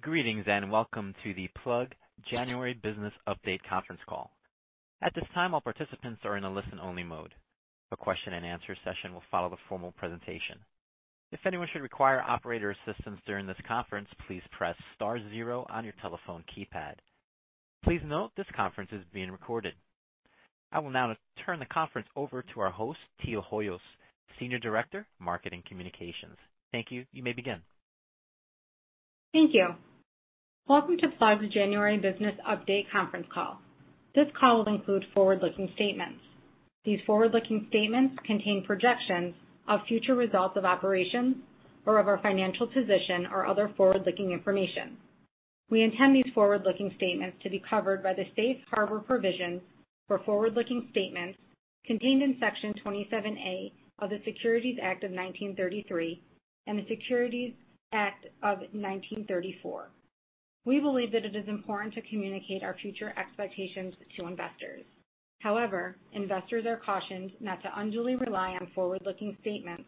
Greetings and welcome to the Plug January Business Update conference call. At this time, all participants are in a listen-only mode. A question and answer session will follow the formal presentation. If anyone should require operator assistance during this conference, please press star zero on your telephone keypad. Please note this conference is being recorded. I will now turn the conference over to our host, Teal Hoyos, Senior Director, Marketing Communications. Thank you. You may begin. Thank you. Welcome to Plug's January Business Update conference call. This call will include forward-looking statements. These forward-looking statements contain projections of future results of operations or of our financial position or other forward-looking information. We intend these forward-looking statements to be covered by the Safe Harbor provisions for forward-looking statements contained in Section 27A of the Securities Act of 1933 and the Securities Act of 1934. We believe that it is important to communicate our future expectations to investors. However, investors are cautioned not to unduly rely on forward-looking statements,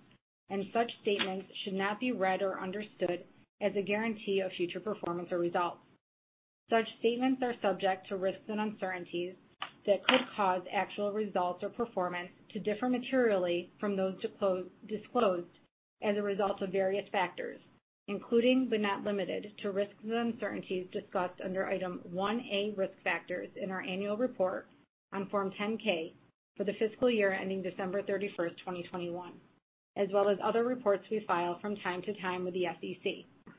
and such statements should not be read or understood as a guarantee of future performance or results. Such statements are subject to risks and uncertainties that could cause actual results or performance to differ materially from those disclosed as a result of various factors, including but not limited to risks and uncertainties discussed under Item 1A, Risk Factors in our annual report on Form 10-K for the fiscal year ending December 31st, 2021, as well as other reports we file from time to time with the SEC.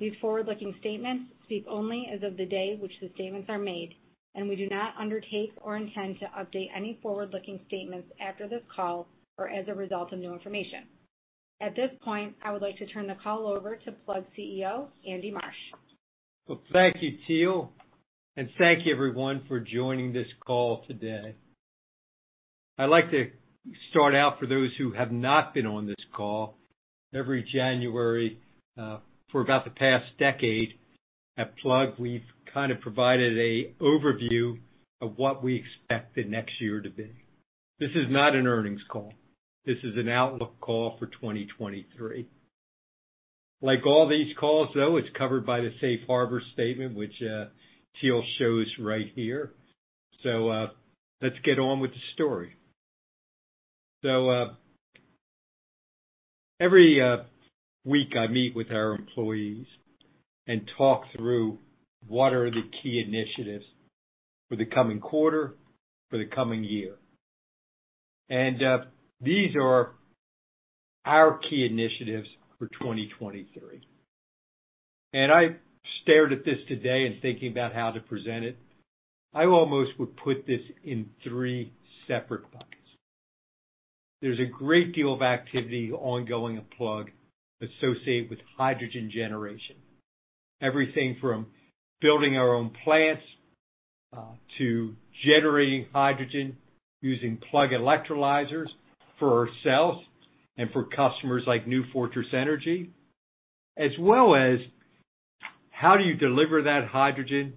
These forward-looking statements speak only as of the day which the statements are made, and we do not undertake or intend to update any forward-looking statements after this call or as a result of new information. At this point, I would like to turn the call over to Plug's CEO, Andy Marsh. Well, thank you, Teal, and thank you everyone for joining this call today. I'd like to start out for those who have not been on this call. Every January, for about the past decade at Plug, we've kind of provided a overview of what we expect the next year to be. This is not an earnings call. This is an outlook call for 2023. Like all these calls though, it's covered by the Safe Harbor statement, which Teal shows right here. Let's get on with the story. Every week I meet with our employees and talk through what are the key initiatives for the coming quarter, for the coming year, and these are our key initiatives for 2023. I stared at this today and thinking about how to present it. I almost would put this in three separate buckets. There's a great deal of activity ongoing at Plug associated with hydrogen generation. Everything from building our own plants, to generating hydrogen using Plug electrolyzers for ourselves and for customers like New Fortress Energy, as well as how do you deliver that hydrogen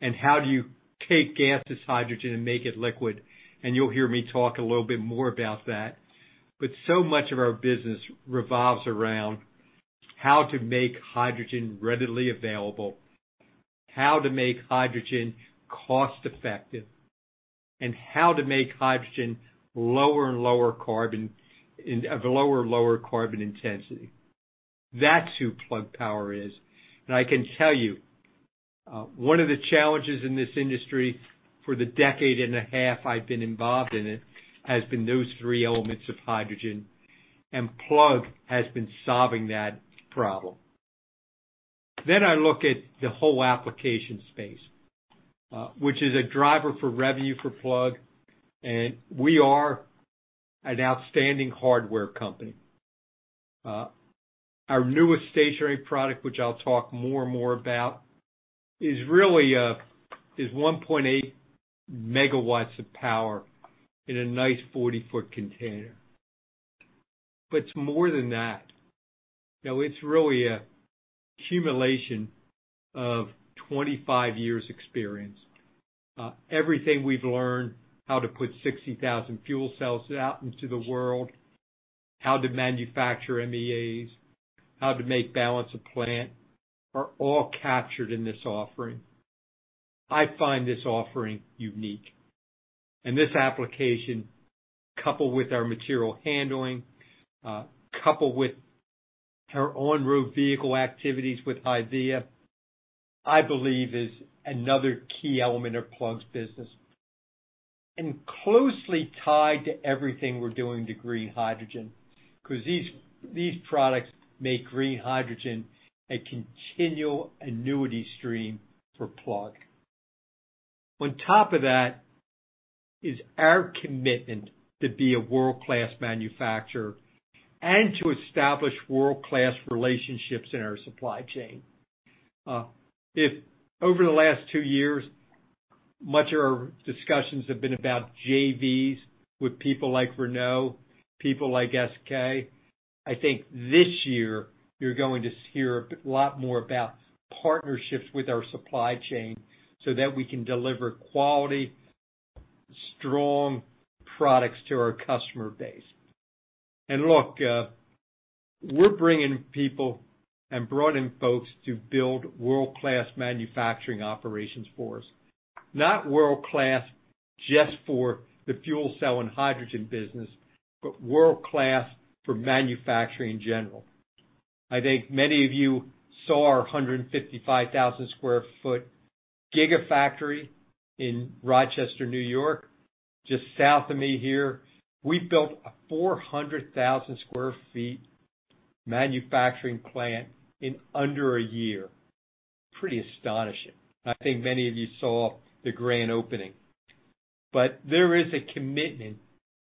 and how do you take gaseous hydrogen and make it liquid? You'll hear me talk a little bit more about that, but so much of our business revolves around how to make hydrogen readily available, how to make hydrogen cost-effective, and how to make hydrogen lower and lower carbon intensity. That's who Plug Power is. I can tell you, one of the challenges in this industry for the decade and a half I've been involved in it has been those three elements of hydrogen, and Plug has been solving that problem. I look at the whole application space, which is a driver for revenue for Plug, and we are an outstanding hardware company. Our newest stationary product, which I'll talk more and more about, is really 1.8 MW of power in a nice 40-ft container. It's more than that. Now, it's really a accumulation of 25 years experience. Everything we've learned, how to put 60,000 fuel cells out into the world, how to manufacture MEAs, how to make balance of plant, are all captured in this offering. I find this offering unique and this application, coupled with our material handling, coupled with our on-road vehicle activities with HYVIA, I believe is another key element of Plug's business and closely tied to everything we're doing to green hydrogen, 'cause these products make green hydrogen a continual annuity stream for Plug. On top of that is our commitment to be a world-class manufacturer and to establish world-class relationships in our supply chain. If over the last two years, much of our discussions have been about JVs with people like Renault, people like SK. I think this year you're going to hear a lot more about partnerships with our supply chain so that we can deliver quality-strong products to our customer base. Look, we're bringing people and brought in folks to build world-class manufacturing operations for us. Not world-class just for the fuel cell and hydrogen business, but world-class for manufacturing in general. I think many of you saw our 155,000 sq ft gigafactory in Rochester, New York, just south of me here. We built a 400,000 sq ft manufacturing plant in under a year. Pretty astonishing. I think many of you saw the grand opening, but there is a commitment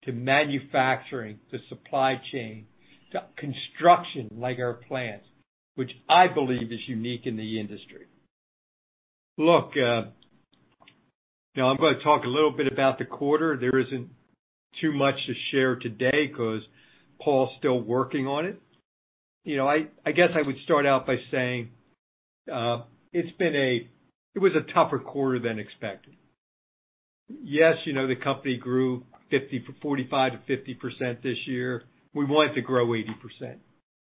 to manufacturing, to supply chain, to construction, like our plants, which I believe is unique in the industry. Look, now I'm going to talk a little bit about the quarter. There isn't too much to share today 'cause Paul's still working on it. You know, I guess I would start out by saying, it was a tougher quarter than expected. Yes, you know, the company grew 45%-50% this year. We wanted to grow 80%.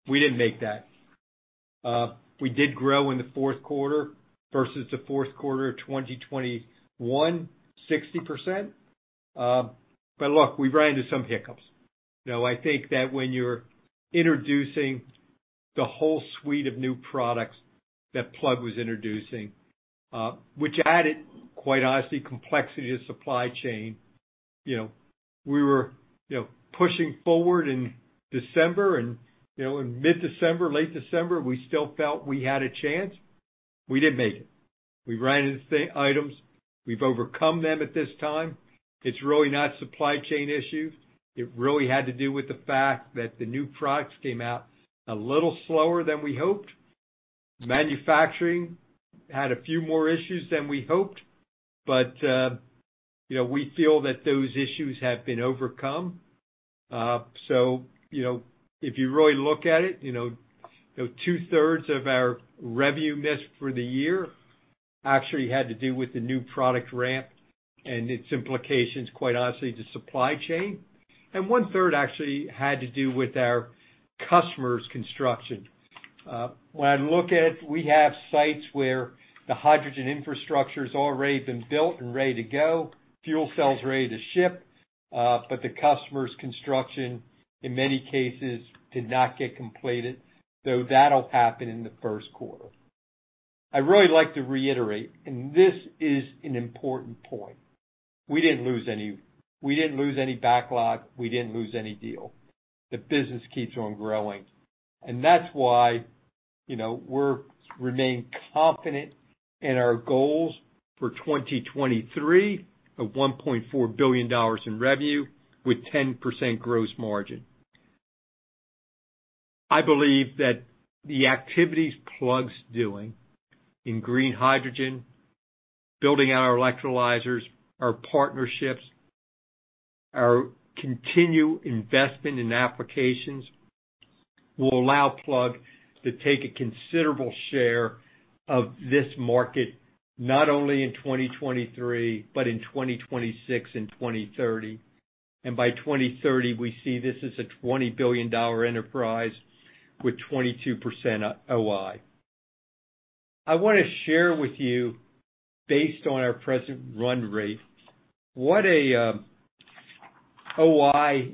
We didn't make that. We did grow in the fourth quarter versus the fourth quarter of 2021, 60%. Look, we ran into some hiccups. I think that when you're introducing the whole suite of new products that Plug was introducing, which added, quite honestly, complexity to supply chain. We were, you know, pushing forward in December and, you know, in mid-December, late December, we still felt we had a chance. We didn't make it. We ran into items. We've overcome them at this time. It's really not supply chain issues. It really had to do with the fact that the new products came out a little slower than we hoped. Manufacturing had a few more issues than we hoped, you know, we feel that those issues have been overcome. If you really look at it, you know, two-thirds of our revenue miss for the year actually had to do with the new product ramp and its implications, quite honestly, to supply chain. One-third actually had to do with our customer's construction. When I look at we have sites where the hydrogen infrastructure's already been built and ready to go, fuel cells ready to ship, the customer's construction, in many cases, did not get completed, that'll happen in the first quarter. I'd really like to reiterate, this is an important point, we didn't lose any backlog, we didn't lose any deal. The business keeps on growing. That's why, you know, we remain confident in our goals for 2023 of $1.4 billion in revenue with 10% gross margin. I believe that the activities Plug's doing in green hydrogen, building out our electrolyzers, our partnerships, our continued investment in applications, will allow Plug to take a considerable share of this market, not only in 2023, but in 2026 and 2030. By 2030, we see this as a $20 billion enterprise with 22% OI. I wanna share with you, based on our present run rate, what a OI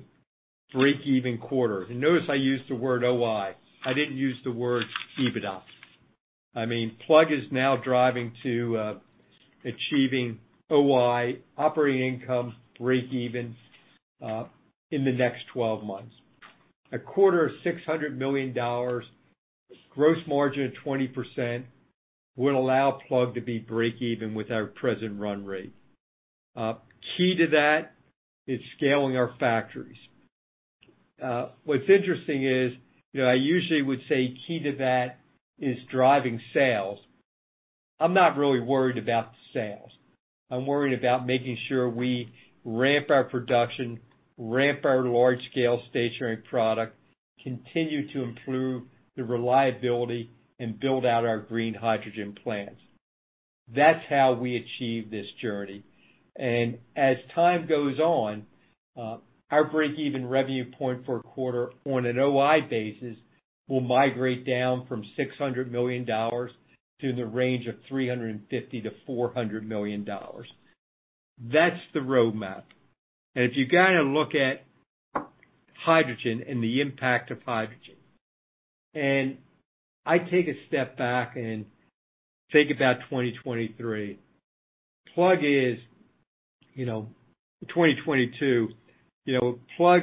breakeven quarter. Notice I used the word OI. I didn't use the word EBITDA. I mean, Plug is now driving to achieving OI, operating income breakeven in the next 12 months. A quarter of $600 million, gross margin of 20% will allow Plug to be breakeven with our present run rate. Key to that is scaling our factories. What's interesting is, you know, I usually would say key to that is driving sales. I'm not really worried about the sales. I'm worried about making sure we ramp our production, ramp our large scale stationary product, continue to improve the reliability, and build out our green hydrogen plants. That's how we achieve this journey. As time goes on, our breakeven revenue point for a quarter on an OI basis will migrate down from $600 million to the range of $350 million-$400 million. That's the roadmap. If you gotta look at hydrogen and the impact of hydrogen, and I take a step back and think about 2023. Plug is, you know, 2022. Plug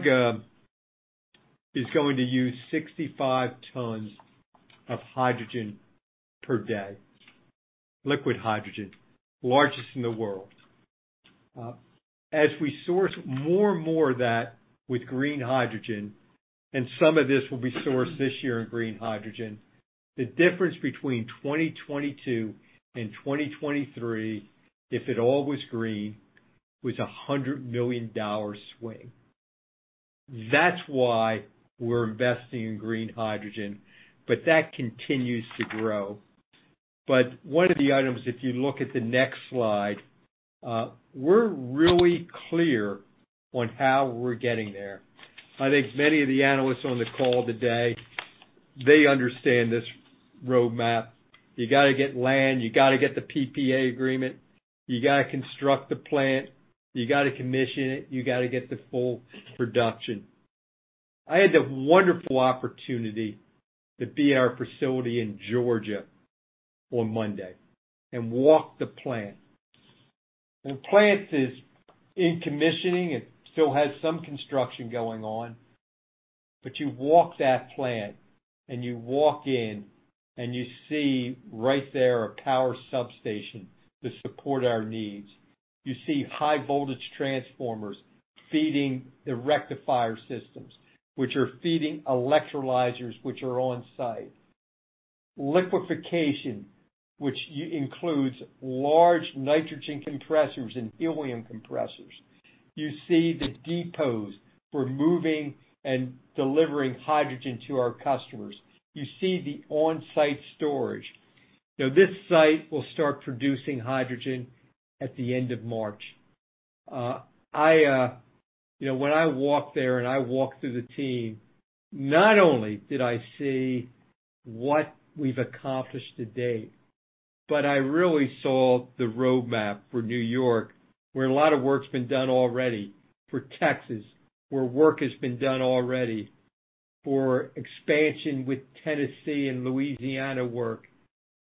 is going to use 65 tons of hydrogen per day, liquid hydrogen, largest in the world. As we source more and more of that with green hydrogen, some of this will be sourced this year in green hydrogen, the difference between 2022 and 2023, if it all was green, was a $100 million swing. That's why we're investing in green hydrogen, that continues to grow. One of the items, if you look at the next slide, we're really clear on how we're getting there. I think many of the analysts on the call today, they understand this roadmap. You gotta get land, you gotta get the PPA agreement, you gotta construct the plant, you gotta commission it, you gotta get the full production. I had the wonderful opportunity to be at our facility in Georgia on Monday and walk the plant. The plant is in commissioning. It still has some construction going on. You walk that plant and you walk in and you see right there a power substation to support our needs. You see high voltage transformers feeding the rectifier systems, which are feeding electrolyzers, which are on site. Liquification, which includes large nitrogen compressors and helium compressors. You see the depots for moving and delivering hydrogen to our customers. You see the on-site storage. This site will start producing hydrogen at the end of March. You know, when I walked there and I walked through the team, not only did I see what we've accomplished to date, but I really saw the roadmap for New York, where a lot of work's been done already, for Texas, where work has been done already, for expansion with Tennessee and Louisiana work.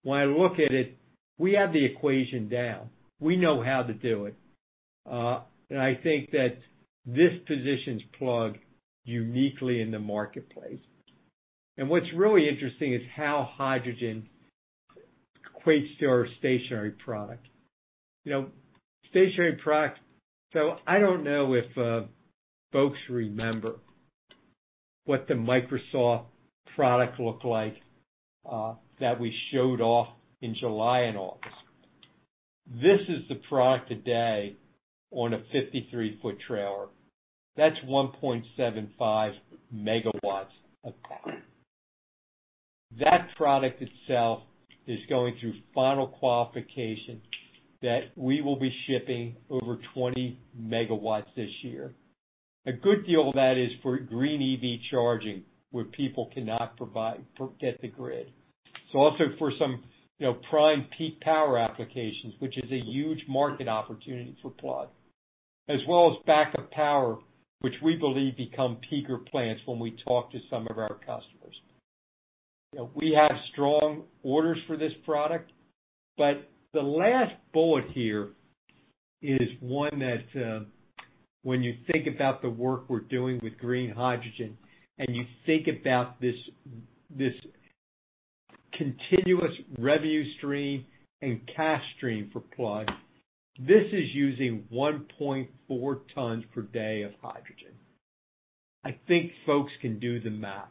When I look at it, we have the equation down. We know how to do it. I think that this positions Plug uniquely in the marketplace. What's really interesting is how hydrogen equates to our stationary product. You know, stationary product. I don't know if folks remember what the Microsoft product looked like that we showed off in July and August. This is the product today on a 53 ft trailer. That's 1.75 MW of power. That product itself is going through final qualification that we will be shipping over 20 MW this year. A good deal of that is for green EV charging, where people cannot get the grid. It's also for some, you know, prime peak power applications, which is a huge market opportunity for Plug, as well as backup power, which we believe become peaker plants when we talk to some of our customers. You know, we have strong orders for this product. The last bullet here is one that, when you think about the work we're doing with green hydrogen and you think about this continuous revenue stream and cash stream for Plug, this is using 1.4 tons per day of hydrogen. I think folks can do the math.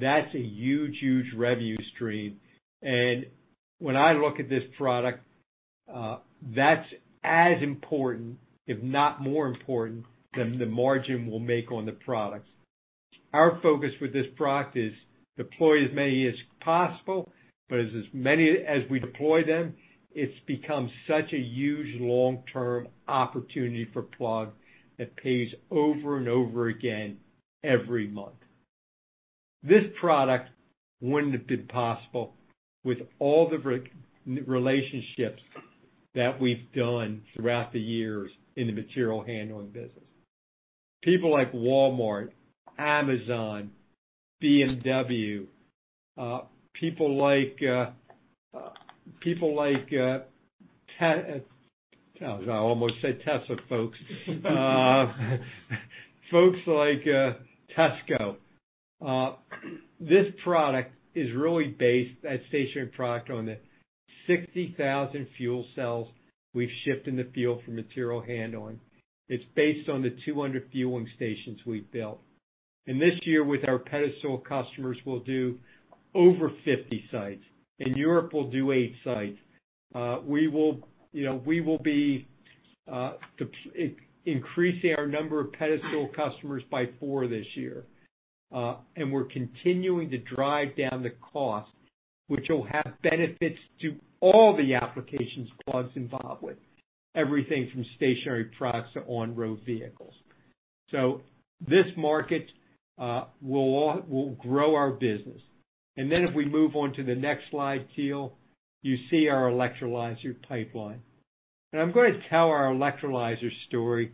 That's a huge, huge revenue stream. When I look at this product, that's as important, if not more important, than the margin we'll make on the products. Our focus with this product is deploy as many as possible. As many as we deploy them, it's become such a huge long-term opportunity for Plug that pays over and over again every month. This product wouldn't have been possible with all the relationships that we've done throughout the years in the material handling business. People like Walmart, Amazon, BMW, people like, I almost said Tesla, folks. Folks like Tesco. This product is really based, that stationary product, on the 60,000 fuel cells we've shipped in the field for material handling. It's based on the 200 fueling stations we've built. This year, with our pedestal customers, we'll do over 50 sites. In Europe, we'll do eight sites. We will, you know, we will be increasing our number of pedestal customers by four this year. We're continuing to drive down the cost, which will have benefits to all the applications Plug's involved with, everything from stationary products to on-road vehicles. This market will grow our business. If we move on to the next slide, Teal, you see our electrolyzer pipeline. I'm going to tell our electrolyzer story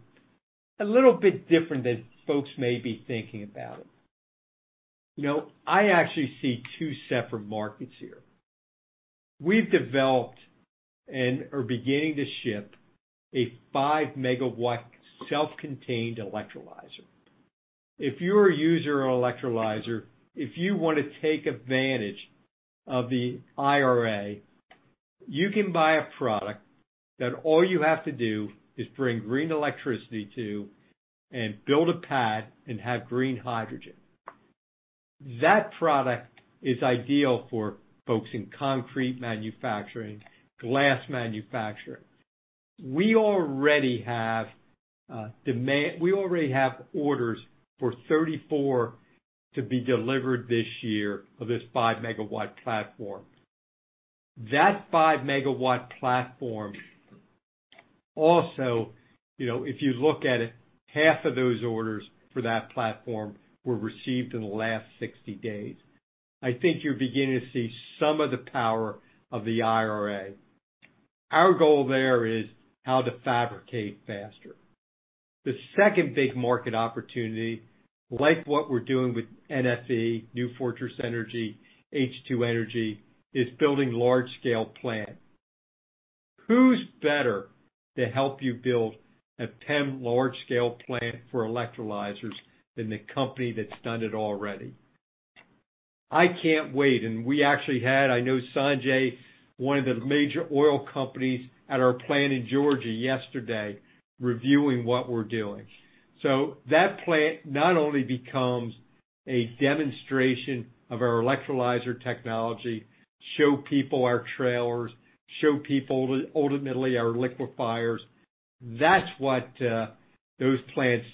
a little bit different than folks may be thinking about it. You know, I actually see two separate markets here. We've developed and are beginning to ship a 5-MW self-contained electrolyzer. If you're a user of electrolyzer, if you want to take advantage of the IRA, you can buy a product that all you have to do is bring green electricity to and build a pad and have green hydrogen. That product is ideal for folks in concrete manufacturing, glass manufacturing. We already have orders for 34 to be delivered this year of this 5-MW platform. That 5-MW platform also, you know, if you look at it, half of those orders for that platform were received in the last 60 days. I think you're beginning to see some of the power of the IRA. Our goal there is how to fabricate faster. The second big market opportunity, like what we're doing with NFE, New Fortress Energy, H2 Energy, is building large-scale plant. Who's better to help you build a 10 large-scale plant for electrolyzers than the company that's done it already? I can't wait. We actually had, I know Sanjay, one of the major oil companies at our plant in Georgia yesterday reviewing what we're doing. That plant not only becomes a demonstration of our electrolyzer technology, show people our trailers, show people ultimately our liquefiers. That's what those plants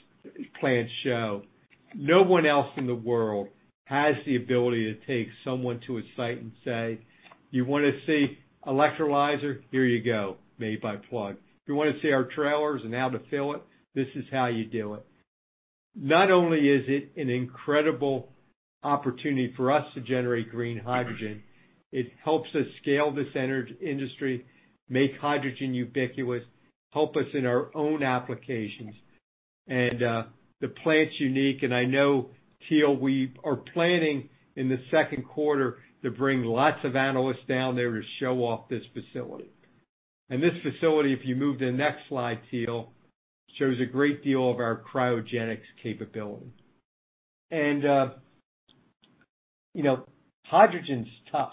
show. No one else in the world has the ability to take someone to a site and say, "You wanna see electrolyzer? Here you go, made by Plug. You wanna see our trailers and how to fill it? This is how you do it." Not only is it an incredible opportunity for us to generate green hydrogen, it helps us scale this industry, make hydrogen ubiquitous, help us in our own applications. The plant's unique, and I know, Teal, we are planning in the second quarter to bring lots of analysts down there to show off this facility. This facility, if you move to the next slide, Teal, shows a great deal of our cryogenics capability. You know, hydrogen's tough.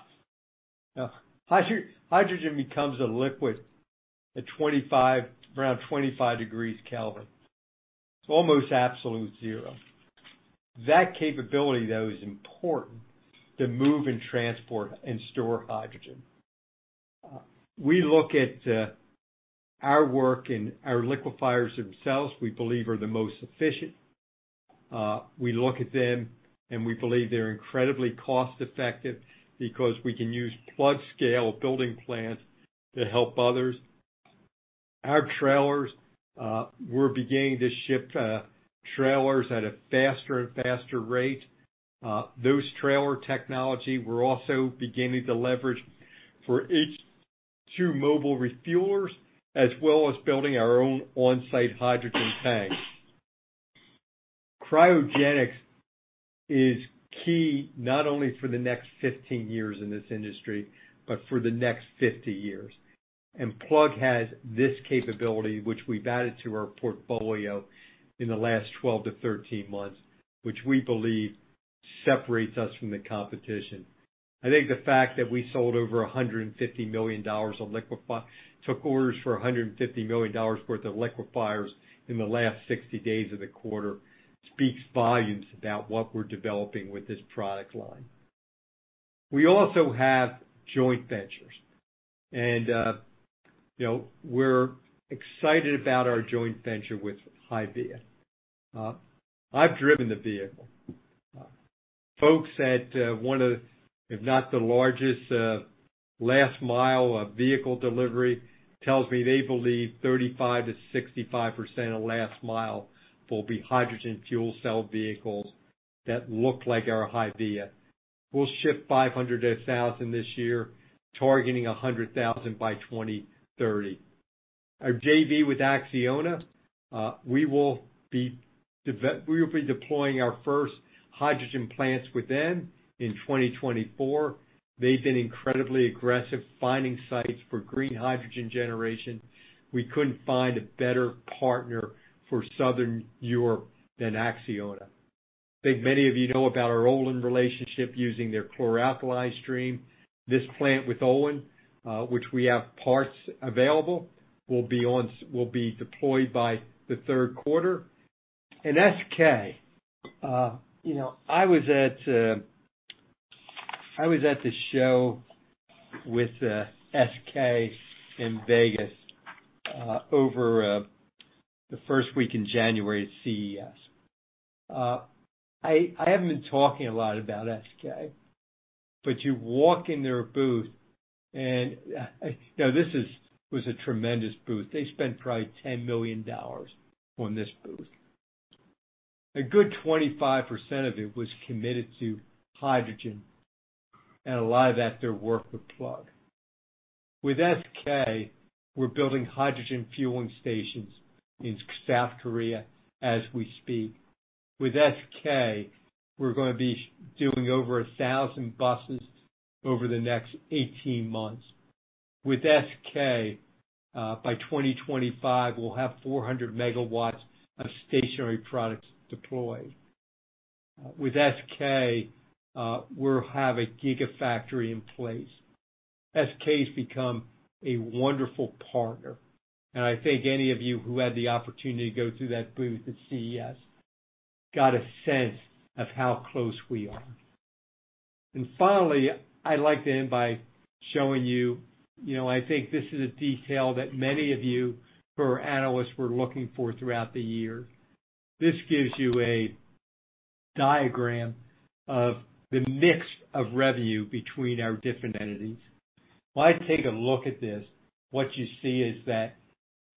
Hydrogen becomes a liquid at around 25 degrees Kelvin, almost absolute zero. That capability, though, is important to move and transport and store hydrogen. We look at our work and our liquefiers themselves, we believe, are the most efficient. We look at them, and we believe they're incredibly cost-effective because we can use Plug scale building plants to help others. Our trailers, we're beginning to ship trailers at a faster and faster rate. Those trailer technology, we're also beginning to leverage for H2 mobile refuelers, as well as building our own on-site hydrogen tanks. Cryogenics is key not only for the next 15 years in this industry but for the next 50 years. Plug has this capability, which we've added to our portfolio in the last 12-13 months, which we believe separates us from the competition. I think the fact that we took orders for $150 million worth of liquefiers in the last 60 days of the quarter speaks volumes about what we're developing with this product line. We also have joint ventures, and, you know, we're excited about our joint venture with HYVIA. I've driven the vehicle. Folks at, one of, if not the largest, last mile of vehicle delivery tells me they believe 35%-65% of last mile will be hydrogen fuel cell vehicles that look like our HYVIA. We'll ship 500 to 1,000 this year, targeting 100,000 by 2030. Our JV with ACCIONA, we will be deploying our first hydrogen plants with them in 2024. They've been incredibly aggressive finding sites for green hydrogen generation. We couldn't find a better partner for Southern Europe than ACCIONA. I think many of you know about our Olin relationship using their chlor-alkali stream. This plant with Olin, which we have parts available, will be deployed by the third quarter. SK, you know, I was at the show with SK in Vegas over the first week in January at CES. I haven't been talking a lot about SK, but you walk in their booth and, you know, this was a tremendous booth. They spent probably $10 million on this booth. A good 25% of it was committed to hydrogen, and a lot of that their work with Plug. With SK, we're building hydrogen fueling stations in South Korea as we speak. With SK, we're gonna be doing over 1,000 buses over the next 18 months. With SK, by 2025, we'll have 400 MW of stationary products deployed. With SK, we'll have a gigafactory in place. SK's become a wonderful partner. I think any of you who had the opportunity to go through that booth at CES got a sense of how close we are. Finally, I'd like to end by showing you know, I think this is a detail that many of you who are analysts were looking for throughout the year. This gives you a diagram of the mix of revenue between our different entities. When I take a look at this, what you see is that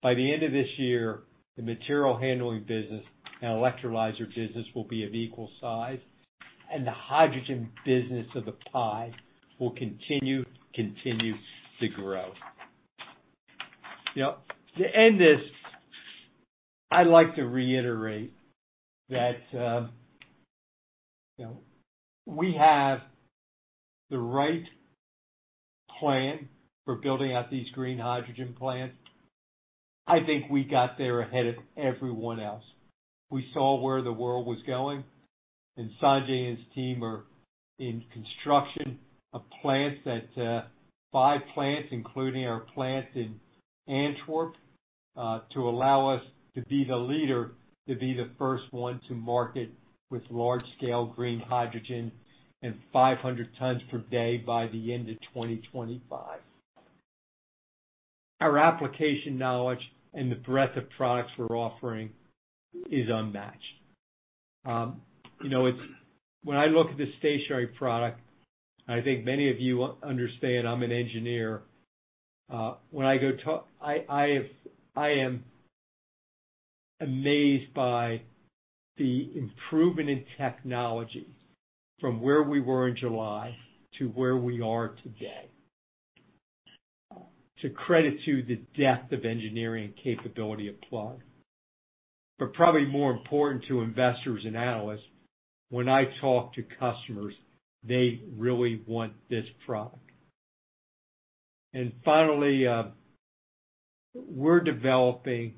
by the end of this year, the material handling business and electrolyzer business will be of equal size, and the hydrogen business of the pie will continue to grow. Now, to end this, I'd like to reiterate that, you know, we have the right plan for building out these green hydrogen plants. I think we got there ahead of everyone else. We saw where the world was going, Sanjay and his team are in construction of plants that, five plants, including our plant in Antwerp, to allow us to be the leader, to be the first one to market with large-scale green hydrogen and 500 tons per day by the end of 2025. Our application knowledge and the breadth of products we're offering is unmatched. You know, When I look at the stationary product, I think many of you understand I'm an engineer. When I go talk, I am amazed by the improvement in technology from where we were in July to where we are today. To credit to the depth of engineering capability of Plug. Probably more important to investors and analysts, when I talk to customers, they really want this product. Finally, we're developing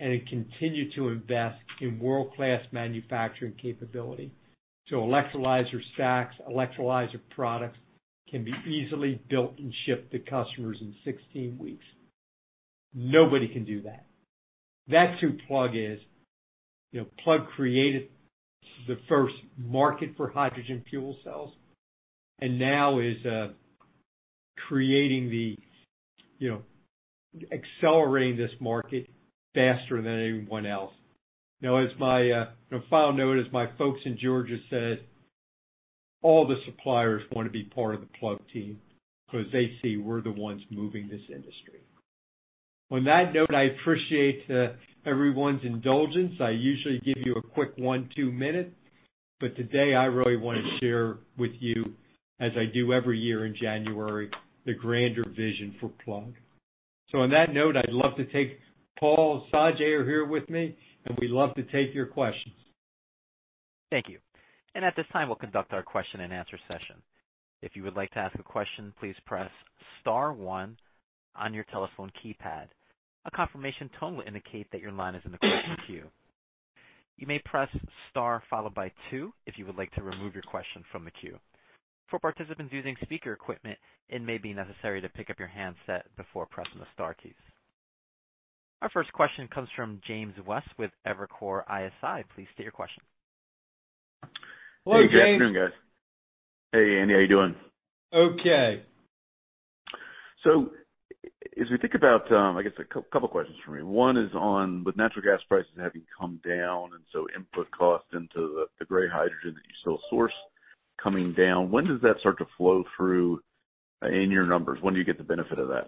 and continue to invest in world-class manufacturing capability. Electrolyzer stacks, electrolyzer products can be easily built and shipped to customers in 16 weeks. Nobody can do that. That's who Plug is. You know, Plug created the first market for hydrogen fuel cells and now is creating the, you know, accelerating this market faster than anyone else. As my final note, as my folks in Georgia said, all the suppliers wanna be part of the Plug team because they see we're the ones moving this industry. On that note, I appreciate everyone's indulgence. I usually give you a quick one, two minute, but today I really wanna share with you, as I do every year in January, the grander vision for Plug. On that note, I'd love to take Paul, Sanjay are here with me, and we'd love to take your questions. Thank you. At this time, we'll conduct our question and answer session. If you would like to ask a question, please press star one on your telephone keypad. A confirmation tone will indicate that your line is in the question queue. You may press star followed by two if you would like to remove your question from the queue. For participants using speaker equipment, it may be necessary to pick up your handset before pressing the star keys. Our first question comes from James West with Evercore ISI. Please state your question. Hello, James. Hey, good afternoon, guys. Hey, Andy, how you doing? Okay. As we think about, I guess a couple questions from me. One is on, with natural gas prices having come down and so input cost into the gray hydrogen that you still source coming down, when does that start to flow through, in your numbers? When do you get the benefit of that?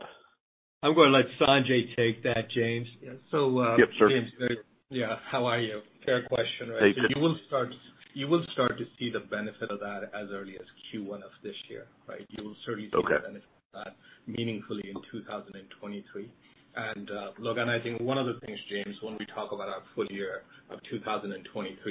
I'm gonna let Sanjay take that, James. Yeah. So, uh. Yep, sure. James, yeah, how are you? Fair question, right? Thank you. You will start to see the benefit of that as early as Q1 of this year, right? Okay The benefit of that meaningfully in 2023. Look, I think one of the things, James, when we talk about our full year of 2023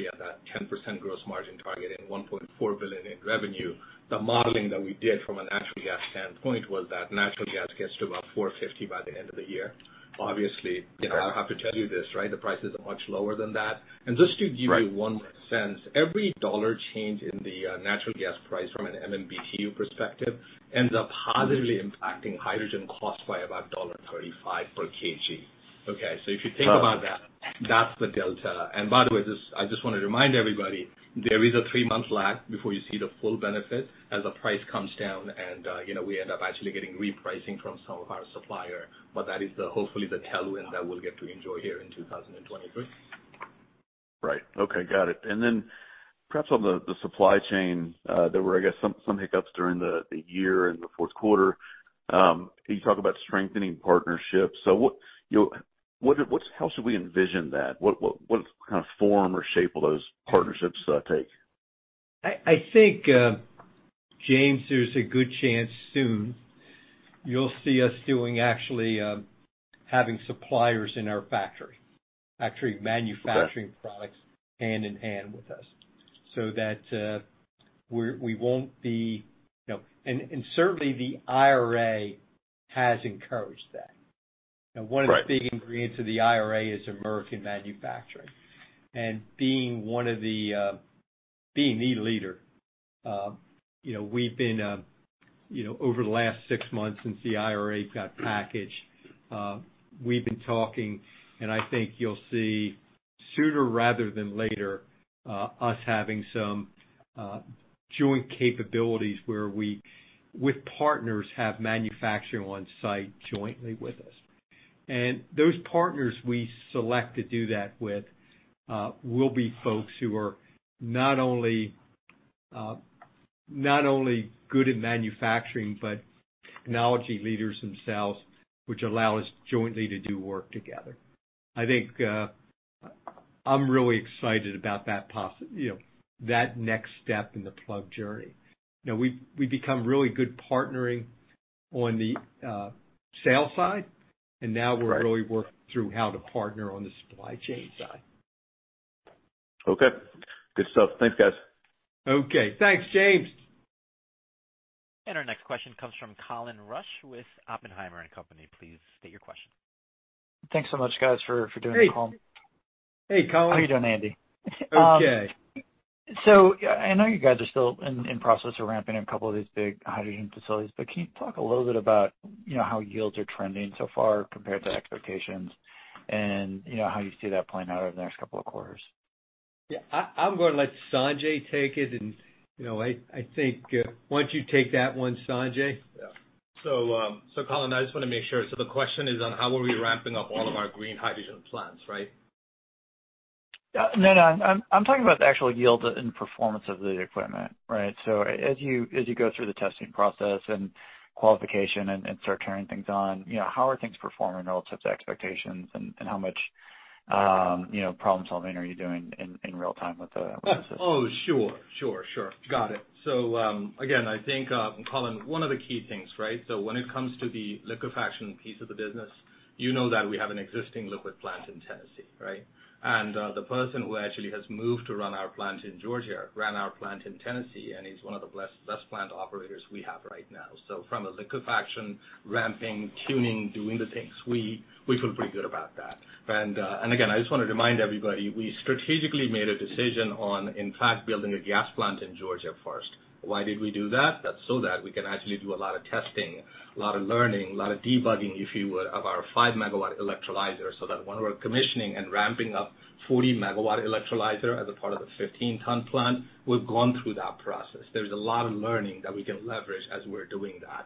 at that 10% gross margin target and $1.4 billion in revenue, the modeling that we did from a natural gas standpoint was that natural gas gets to about $4.50 by the end of the year. Obviously, you know, I have to tell you this, right. The prices are much lower than that. Just to give you one sense, every $1 change in the natural gas price from an MMBtu perspective ends up positively impacting hydrogen cost by about $1.35 per kg. Okay. If you think about that's the delta. By the way, just, I just wanna remind everybody, there is a three-month lag before you see the full benefit as the price comes down and, you know, we end up actually getting repricing from some of our supplier, but that is the hopefully the tailwind that we'll get to enjoy here in 2023. Right. Okay, got it. Perhaps on the supply chain, there were, I guess, some hiccups during the year and the fourth quarter. You talk about strengthening partnerships. What, you know, how should we envision that? What kind of form or shape will those partnerships take? I think, James, there's a good chance soon you'll see us doing actually, having suppliers in our factory actually manufacturing products hand in hand with us so that we won't be, you know. Certainly the IRA has encouraged that. One of the big ingredients of the IRA is American manufacturing. Being one of the being the leader, you know, we've been, you know, over the last six months since the IRA got packaged, we've been talking, and I think you'll see sooner rather than later, us having some joint capabilities where we, with partners, have manufacturing on site jointly with us. Those partners we select to do that with will be folks who are not only good in manufacturing, but technology leaders themselves, which allow us jointly to do work together. I think I'm really excited about that, you know, that next step in the Plug journey. We've become really good partnering on the sales side. Now we're really working through how to partner on the supply chain side. Okay. Good stuff. Thanks, guys. Okay. Thanks, James. Our next question comes from Colin Rusch with Oppenheimer & Company. Please state your question. Thanks so much, guys, for doing the call. Hey. Hey, Colin. How you doing, Andy? Okay. I know you guys are still in process of ramping two of these big hydrogen facilities, but can you talk a little bit about, you know, how yields are trending so far compared to expectations and, you know, how you see that playing out over the next two quarters? Yeah, I'm gonna let Sanjay take it. You know, I think, why don't you take that one, Sanjay? Yeah. Colin, I just wanna make sure. The question is on how are we ramping up all of our green hydrogen plants, right? Yeah. No, I'm talking about the actual yield and performance of the equipment, right? As you go through the testing process and qualification and start turning things on, you know, how are things performing relative to expectations and how much, you know, problem-solving are you doing in real-time with the system? Sure, sure. Got it. Again, I think Colin, one of the key things? When it comes to the liquefaction piece of the business, you know that we have an existing liquid plant in Tennessee, right? The person who actually has moved to run our plant in Georgia ran our plant in Tennessee, and he's one of the best plant operators we have right now. From a liquefaction ramping, tuning, doing the things, we feel pretty good about that. Again, I just wanna remind everybody, we strategically made a decision on, in fact, building a gas plant in Georgia first. Why did we do that? That's so that we can actually do a lot of testing, a lot of learning, a lot of debugging, if you would, of our 5-MW electrolyzer, so that when we're commissioning and ramping up 40-MW electrolyzer as a part of the 15-ton plant, we've gone through that process. There's a lot of learning that we can leverage as we're doing that.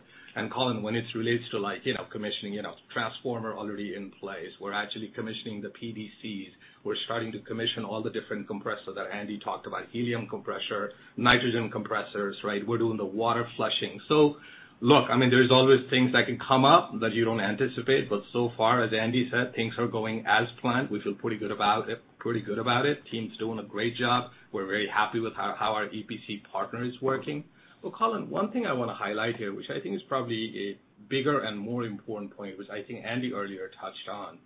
Colin, when it relates to, like, you know, commissioning, you know, transformer already in place. We're actually commissioning the PDCs. We're starting to commission all the different compressors that Andy talked about, helium compressor, nitrogen compressors, right? We're doing the water flushing. Look, I mean, there's always things that can come up that you don't anticipate, but so far, as Andy said, things are going as planned. We feel pretty good about it, pretty good about it. Team's doing a great job. We're very happy with how our EPC partner is working. Colin, one thing I wanna highlight here, which I think is probably a bigger and more important point, which I think Andy earlier touched on,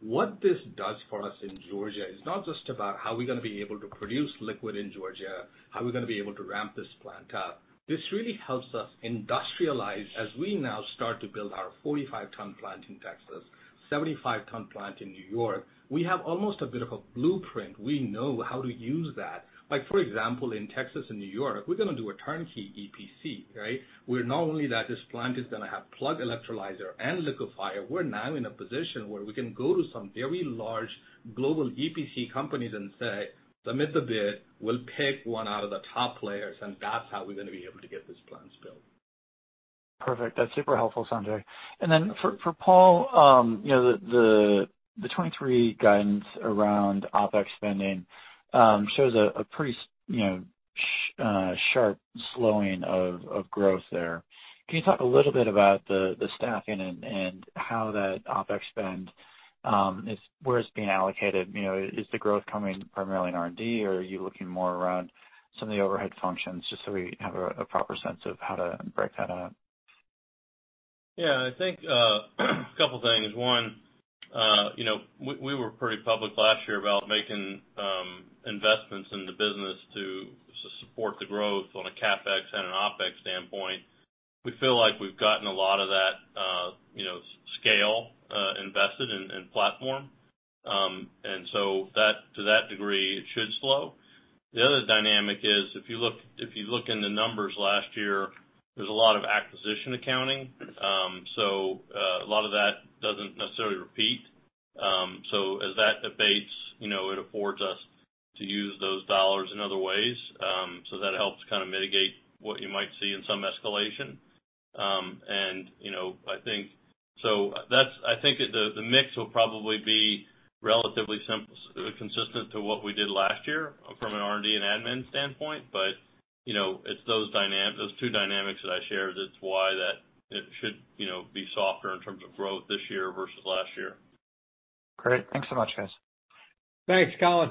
what this does for us in Georgia is not just about how we're gonna be able to produce liquid in Georgia, how we're gonna be able to ramp this plant up. This really helps us industrialize as we now start to build our 45-ton plant in Texas, 75-ton plant in New York. We have almost a bit of a blueprint. We know how to use that. Like, for example, in Texas and New York, we're gonna do a turnkey EPC, right? Where not only that this plant is gonna have Plug electrolyzer and liquefier, we're now in a position where we can go to some very large global EPC companies and say, "Submit the bid. We'll pick one out of the top players," and that's how we're gonna be able to get these plants built. Perfect. That's super helpful, Sanjay. Then for Paul, you know, the 2023 guidance around OpEx spending shows a pretty sharp slowing of growth there. Can you talk a little bit about the staffing and how that OpEx spend is where it's being allocated? You know, is the growth coming primarily in R&D, or are you looking more around some of the overhead functions? Just so we have a proper sense of how to break that out. Yeah. I think, a couple things. One, you know, we were pretty public last year about making investments in the business to support the growth on a CapEx and an OpEx standpoint. We feel like we've gotten a lot of that, you know, scale invested in platform. That, to that degree, it should slow. The other dynamic is if you look in the numbers last year, there's a lot of acquisition accounting. A lot of that doesn't necessarily repeat. As that abates, you know, it affords us to use those dollars in other ways. That helps kinda mitigate what you might see in some escalation. That's I think the mix will probably be relatively consistent to what we did last year from an R&D and admin standpoint, but, you know, it's those two dynamics that I shared, that's why that it should, you know, be softer in terms of growth this year versus last year. Great. Thanks so much, guys. Thanks, Colin.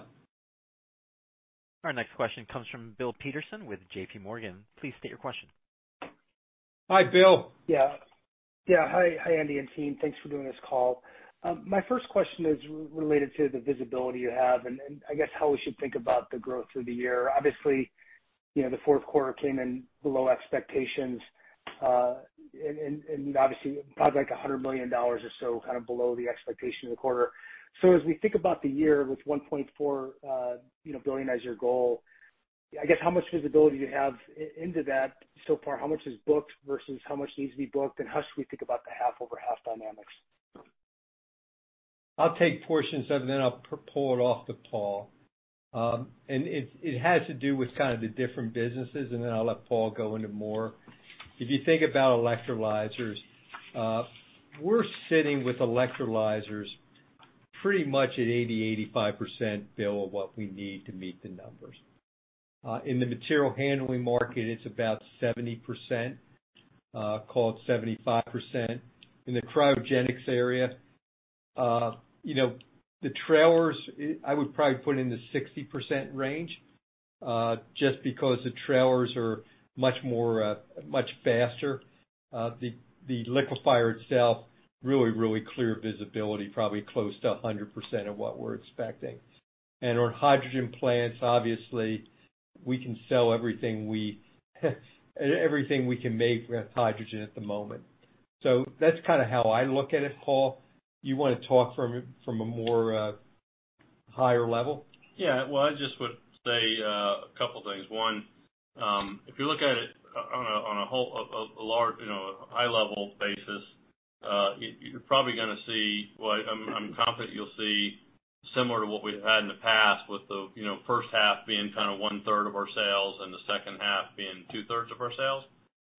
Our next question comes from Bill Peterson with JPMorgan. Please state your question. Hi, Bill. Hi. Hi, Andy and team. Thanks for doing this call. My first question is related to the visibility you have and I guess how we should think about the growth through the year. You know, the fourth quarter came in below expectations, and obviously probably like $100 million or so kind of below the expectation of the quarter. As we think about the year with $1.4 billion as your goal, I guess how much visibility do you have into that so far? How much is booked versus how much needs to be booked, and how should we think about the half-over-half dynamics? I'll take portions of it and then I'll pull it off to Paul. It, it has to do with kind of the different businesses, and then I'll let Paul go into more. If you think about electrolyzers, we're sitting with electrolyzers pretty much at 80%-85% bill of what we need to meet the numbers. In the material handling market, it's about 70%, call it 75%. In the cryogenics area, you know, the trailers, I would probably put it in the 60% range, just because the trailers are much more, much faster. The, the liquefier itself, really, really clear visibility, probably close to 100% of what we're expecting. On hydrogen plants, obviously we can sell everything we can make with hydrogen at the moment. That's kind of how I look at it. Paul, do you wanna talk from a more, higher level? Well, I just would say a couple things. One, if you look at it on a whole, a large, you know, high-level basis, you're probably gonna see what I'm confident you'll see similar to what we've had in the past with the, you know, first half being kind of one-third of our sales and the second half being two-thirds of our sales.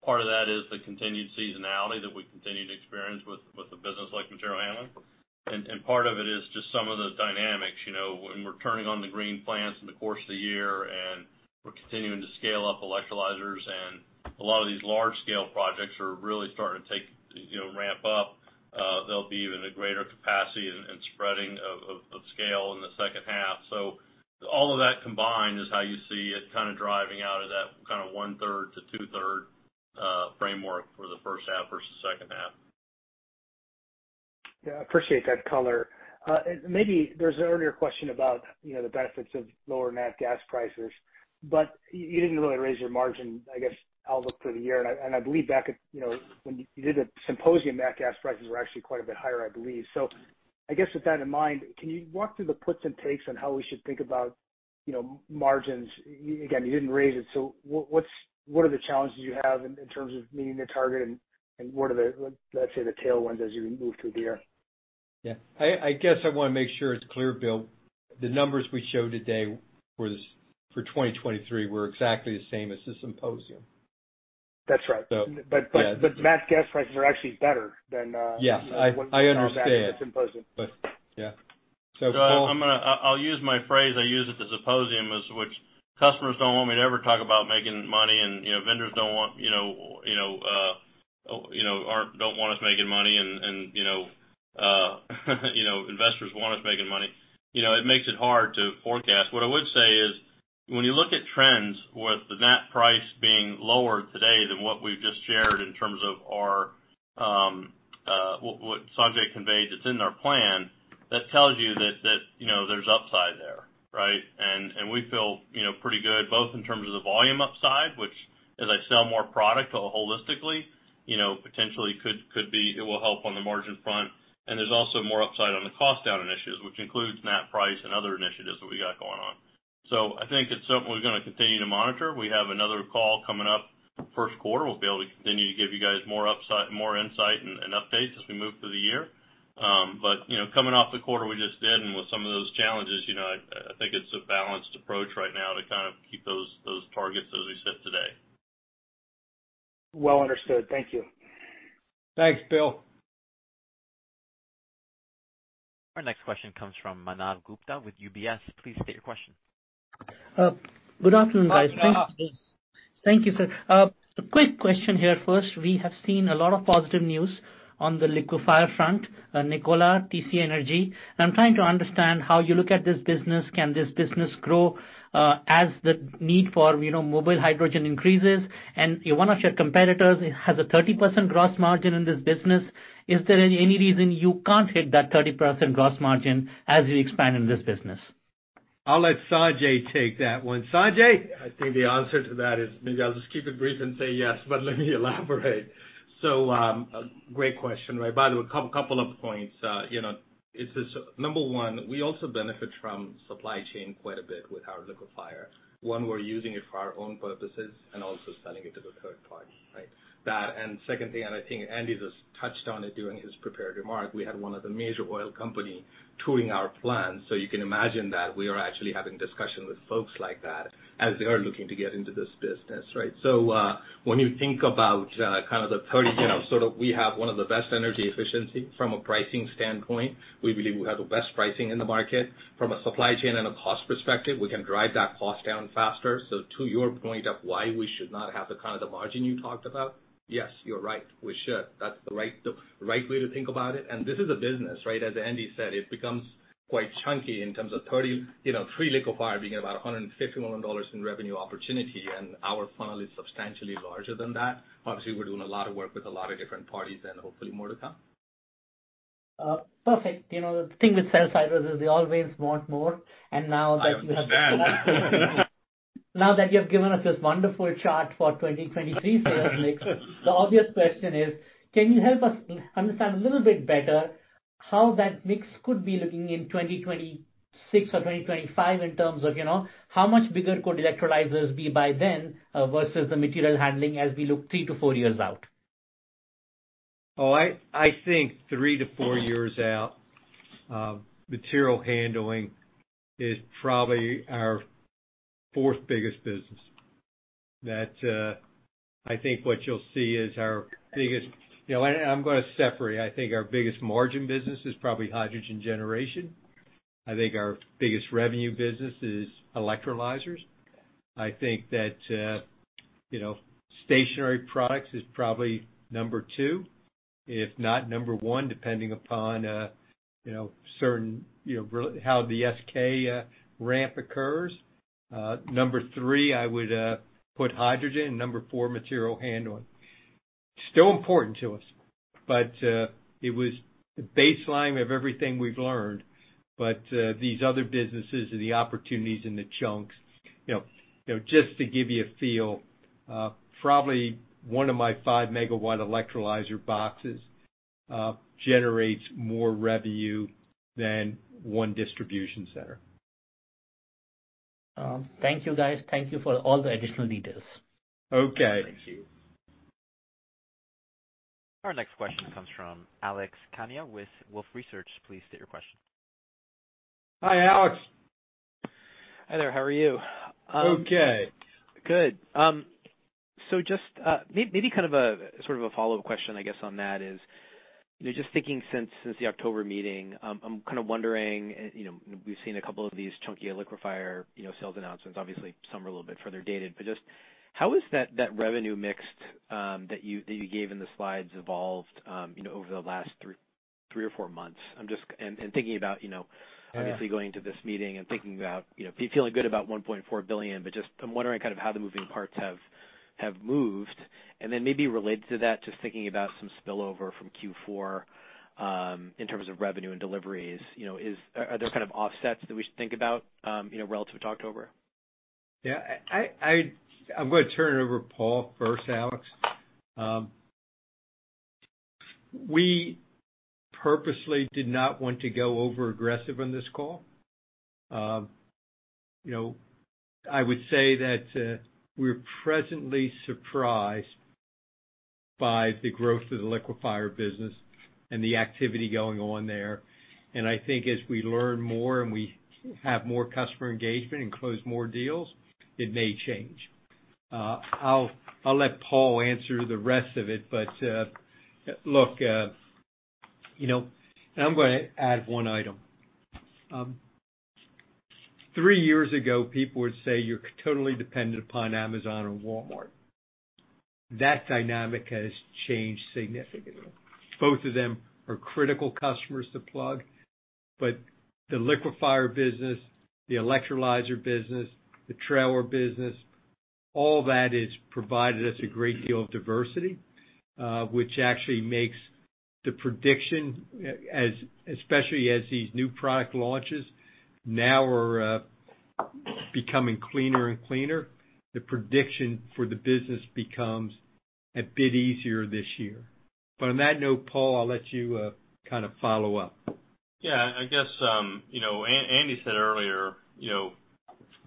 Part of that is the continued seasonality that we continue to experience with a business like material handling. Part of it is just some of the dynamics, you know, when we're turning on the green plants in the course of the year and we're continuing to scale up electrolyzers. A lot of these large scale projects are really starting to take, you know, ramp up, they'll be in a greater capacity and spreading of scale in the second half. All of that combined is how you see it kind of driving out of that kind of one-third to two-third framework for the first half versus second half. Yeah, appreciate that color. Maybe there's an earlier question about, you know, the benefits of lower nat gas prices, but you didn't really raise your margin, I guess, outlook for the year. I, and I believe back at, you know, when you did the symposium, nat gas prices were actually quite a bit higher, I believe. I guess with that in mind, can you walk through the puts and takes on how we should think about, you know, margins? Again, you didn't raise it, so what's, what are the challenges you have in terms of meeting the target and what are the, let's say, the tailwinds as you move through the year? Yeah. I guess I wanna make sure it's clear, Bill, the numbers we showed today was for 2023 were exactly the same as the symposium. That's right. Yeah. Nat gas prices are actually better than. Yes, I understand. when you had that symposium. Yeah. Paul. I'm gonna use my phrase I used at the symposium as which customers don't want me to ever talk about making money and, you know, vendors don't want, you know, you know, don't want us making money and, you know, investors want us making money. You know, it makes it hard to forecast. What I would say is, when you look at trends with the nat price being lower today than what we've just shared in terms of our, what Sanjay conveyed that's in our plan, that tells you that, you know, there's upside there, right? We feel, you know, pretty good both in terms of the volume upside, which as I sell more product holistically, you know, potentially could be it will help on the margin front. There's also more upside on the cost down initiatives, which includes nat price and other initiatives that we got going on. I think it's something we're gonna continue to monitor. We have another call coming up first quarter. We'll be able to continue to give you guys more insight and updates as we move through the year. You know, coming off the quarter we just did and with some of those challenges, you know, I think it's a balanced approach right now to kind of keep those targets as we sit today. Well understood. Thank you. Thanks, Bill. Our next question comes from Manav Gupta with UBS. Please state your question. Good afternoon, guys. Manav. Thank you, sir. A quick question here. First, we have seen a lot of positive news on the liquefier front, Nikola, TC Energy. I'm trying to understand how you look at this business. Can this business grow as the need for, you know, mobile hydrogen increases? One of your competitors has a 30% gross margin in this business. Is there any reason you can't hit that 30% gross margin as you expand in this business? I'll let Sanjay take that one. Sanjay? I think the answer to that is, maybe I'll just keep it brief and say yes, but let me elaborate. Great question. By the way, couple of points. You know, number one, we also benefit from supply chain quite a bit with our liquefier. One, we're using it for our own purposes and also selling it to the third party, right? That, and secondly, and I think Andy just touched on it during his prepared remark, we had one of the major oil company touring our plant. You can imagine that we are actually having discussions with folks like that as they are looking to get into this business, right? When you think about, kind of the 30%, you know, sort of we have one of the best energy efficiency from a pricing standpoint. We believe we have the best pricing in the market. From a supply chain and a cost perspective, we can drive that cost down faster. To your point of why we should not have the kind of the margin you talked about, yes, you're right, we should. That's the right way to think about it. This is a business, right? As Andy said, it becomes quite chunky in terms of three liquefier being about a $150 million in revenue opportunity, and our funnel is substantially larger than that. Obviously, we're doing a lot of work with a lot of different parties and hopefully more to come. Perfect. You know, the thing with sales cycles is we always want more. I understand. Now that you have given us this wonderful chart for 2023 sales mix. The obvious question is, can you help us understand a little bit better how that mix could be looking in 2026 or 2025 in terms of, you know, how much bigger could electrolyzers be by then, versus the material handling as we look 3 to 4 years out? I think three to fouryears out, material handling is probably our fourth biggest business. I think what you'll see is our biggest. You know, and I'm gonna separate. I think our biggest margin business is probably hydrogen generation. I think our biggest revenue business is electrolyzers. I think that, you know, stationary products is probably number two, if not number one, depending upon, you know, certain, you know, how the SK ramp occurs. Number three, I would put hydrogen. Number four, material handling. Still important to us, but it was the baseline of everything we've learned. These other businesses are the opportunities and the chunks. You know, just to give you a feel, probably one of my 5-MW electrolyzer boxes generates more revenue than one distribution center. Thank you, guys. Thank you for all the additional details. Okay. Thank you. Our next question comes from Alex Kania with Wolfe Research. Please state your question. Hi, Alex. Hi there. How are you? Okay. Good. Just maybe kind of a, sort of a follow-up question, I guess, on that is, you know, just thinking since the October meeting, I'm kind of wondering, you know, we've seen a couple of these chunky liquefier, you know, sales announcements. Obviously, some are a little bit further dated. Just how has that revenue mix, that you gave in the slides evolved, you know, over the last three or four months? I'm just... thinking about, you know. Yeah. Obviously going to this meeting and thinking about, you know, feeling good about $1.4 billion, but just I'm wondering kind of how the moving parts have moved. Maybe related to that, just thinking about some spillover from Q4 in terms of revenue and deliveries. You know, are there kind of offsets that we should think about, you know, relative to October? Yeah. I'm gonna turn it over to Paul first, Alex. We purposely did not want to go over-aggressive on this call. You know, I would say that we're presently surprised by the growth of the liquefier business and the activity going on there. I think as we learn more and we have more customer engagement and close more deals, it may change. I'll let Paul answer the rest of it, but look, you know, I'm gonna add one item. Three years ago, people would say you're totally dependent upon Amazon and Walmart. That dynamic has changed significantly. Both of them are critical customers to Plug, but the liquefier business, the electrolyzer business, the trailer business, all that has provided us a great deal of diversity, which actually makes the prediction, as especially as these new product launches now are becoming cleaner and cleaner, the prediction for the business becomes a bit easier this year. On that note, Paul, I'll let you kind of follow up. I guess, you know, Andy said earlier, you know,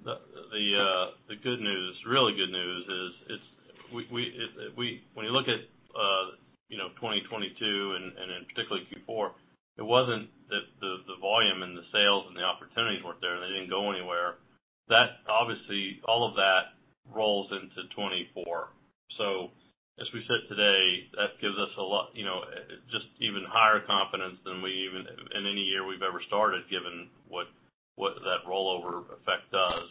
the good news, really good news is when you look at, you know, 2022 and in particularly Q4, it wasn't that the volume and the sales and the opportunities weren't there and they didn't go anywhere. Obviously, all of that rolls into 2024. As we sit today, that gives us a lot, you know, just even higher confidence than we even in any year we've ever started, given what that rollover effect does.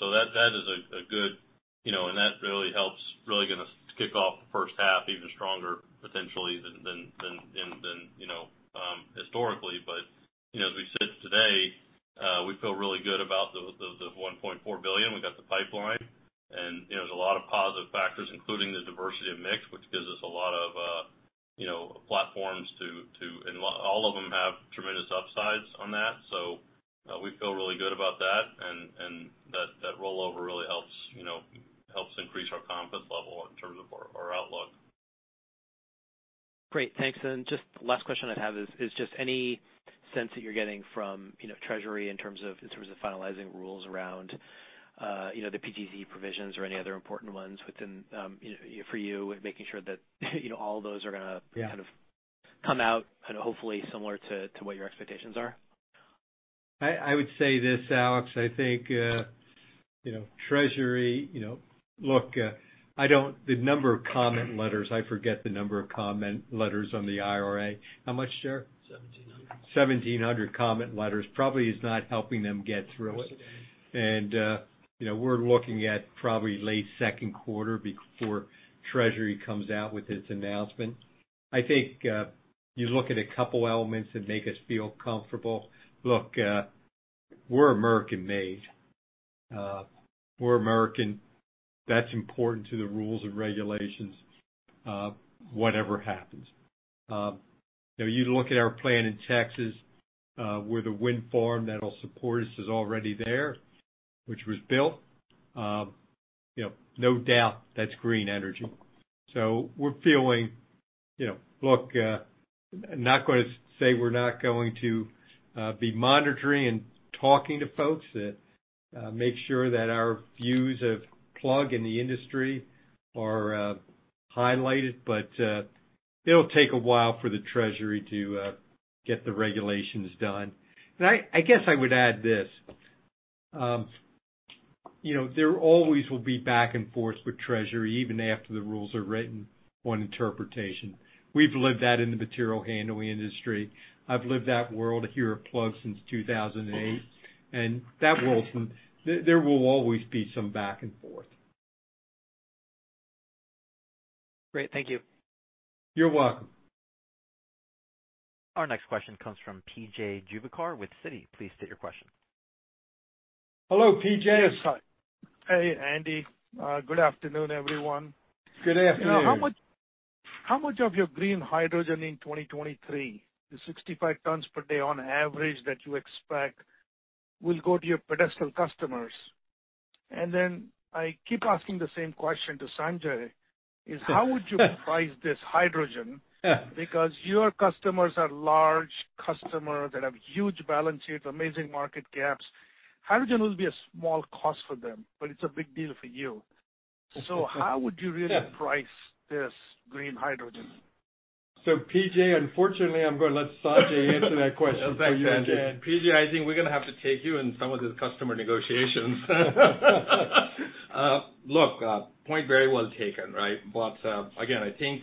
You know, that is a good, you know, and that really helps really gonna kick off the first half even stronger potentially than historically. You know, as we sit today, we feel really good about the $1.4 billion. We got the pipeline and, you know, there's a lot of positive factors, including the diversity of mix, which gives us a lot of, you know, platforms to. And all of them have tremendous upsides on that. We feel really good about that and that rollover really helps, you know, helps increase our confidence level in terms of our outlook. Great. Thanks. Just last question I have is just any sense that you're getting from, you know, Treasury in terms of finalizing rules around, you know, the PTC provisions or any other important ones within, you know, for you, making sure that, you know, all of those are. Kind of come out and hopefully similar to what your expectations are? I would say this, Alex. I think, you know, Treasury, you know. Look, I don't. The number of comment letters, I forget the number of comment letters on the IRA. How much, Sanjay? 1,700. 1,700 comment letters probably is not helping them get through it. Yesterday. You know, we're looking at probably late second quarter before Treasury comes out with its announcement. I think, you look at a couple elements that make us feel comfortable. Look, we're American-made. For American, that's important to the rules and regulations, whatever happens. You know, you look at our plant in Texas, where the wind farm that'll support us is already there, which was built. You know, no doubt that's green energy. We're feeling. You know, look, not gonna say we're not going to be monitoring and talking to folks that make sure that our views of Plug and the industry are highlighted, but it'll take a while for the Treasury to get the regulations done. I guess I would add this. You know, there always will be back and forth with Treasury even after the rules are written on interpretation. We've lived that in the material handling industry. I've lived that world here at Plug since 2008. There will always be some back and forth. Great. Thank you. You're welcome. Our next question comes from P.J. Juvekar with Citi. Please state your question. Hello, P.J. Hey, Andy. Good afternoon, everyone. Good afternoon. How much of your green hydrogen in 2023, the 65 tons per day on average that you expect will go to your pedestal customers? I keep asking the same question to Sanjay. Is how would you price this hydrogen? Yeah. Your customers are large customers that have huge balance sheets, amazing market caps. Hydrogen will be a small cost for them, but it's a big deal for you. How would you really price this green hydrogen? P.J., unfortunately, I'm gonna let Sanjay answer that question for you. Thanks, Andy. P.J., I think we're gonna have to take you in some of these customer negotiations. Look, point very well taken, right? But again, I think,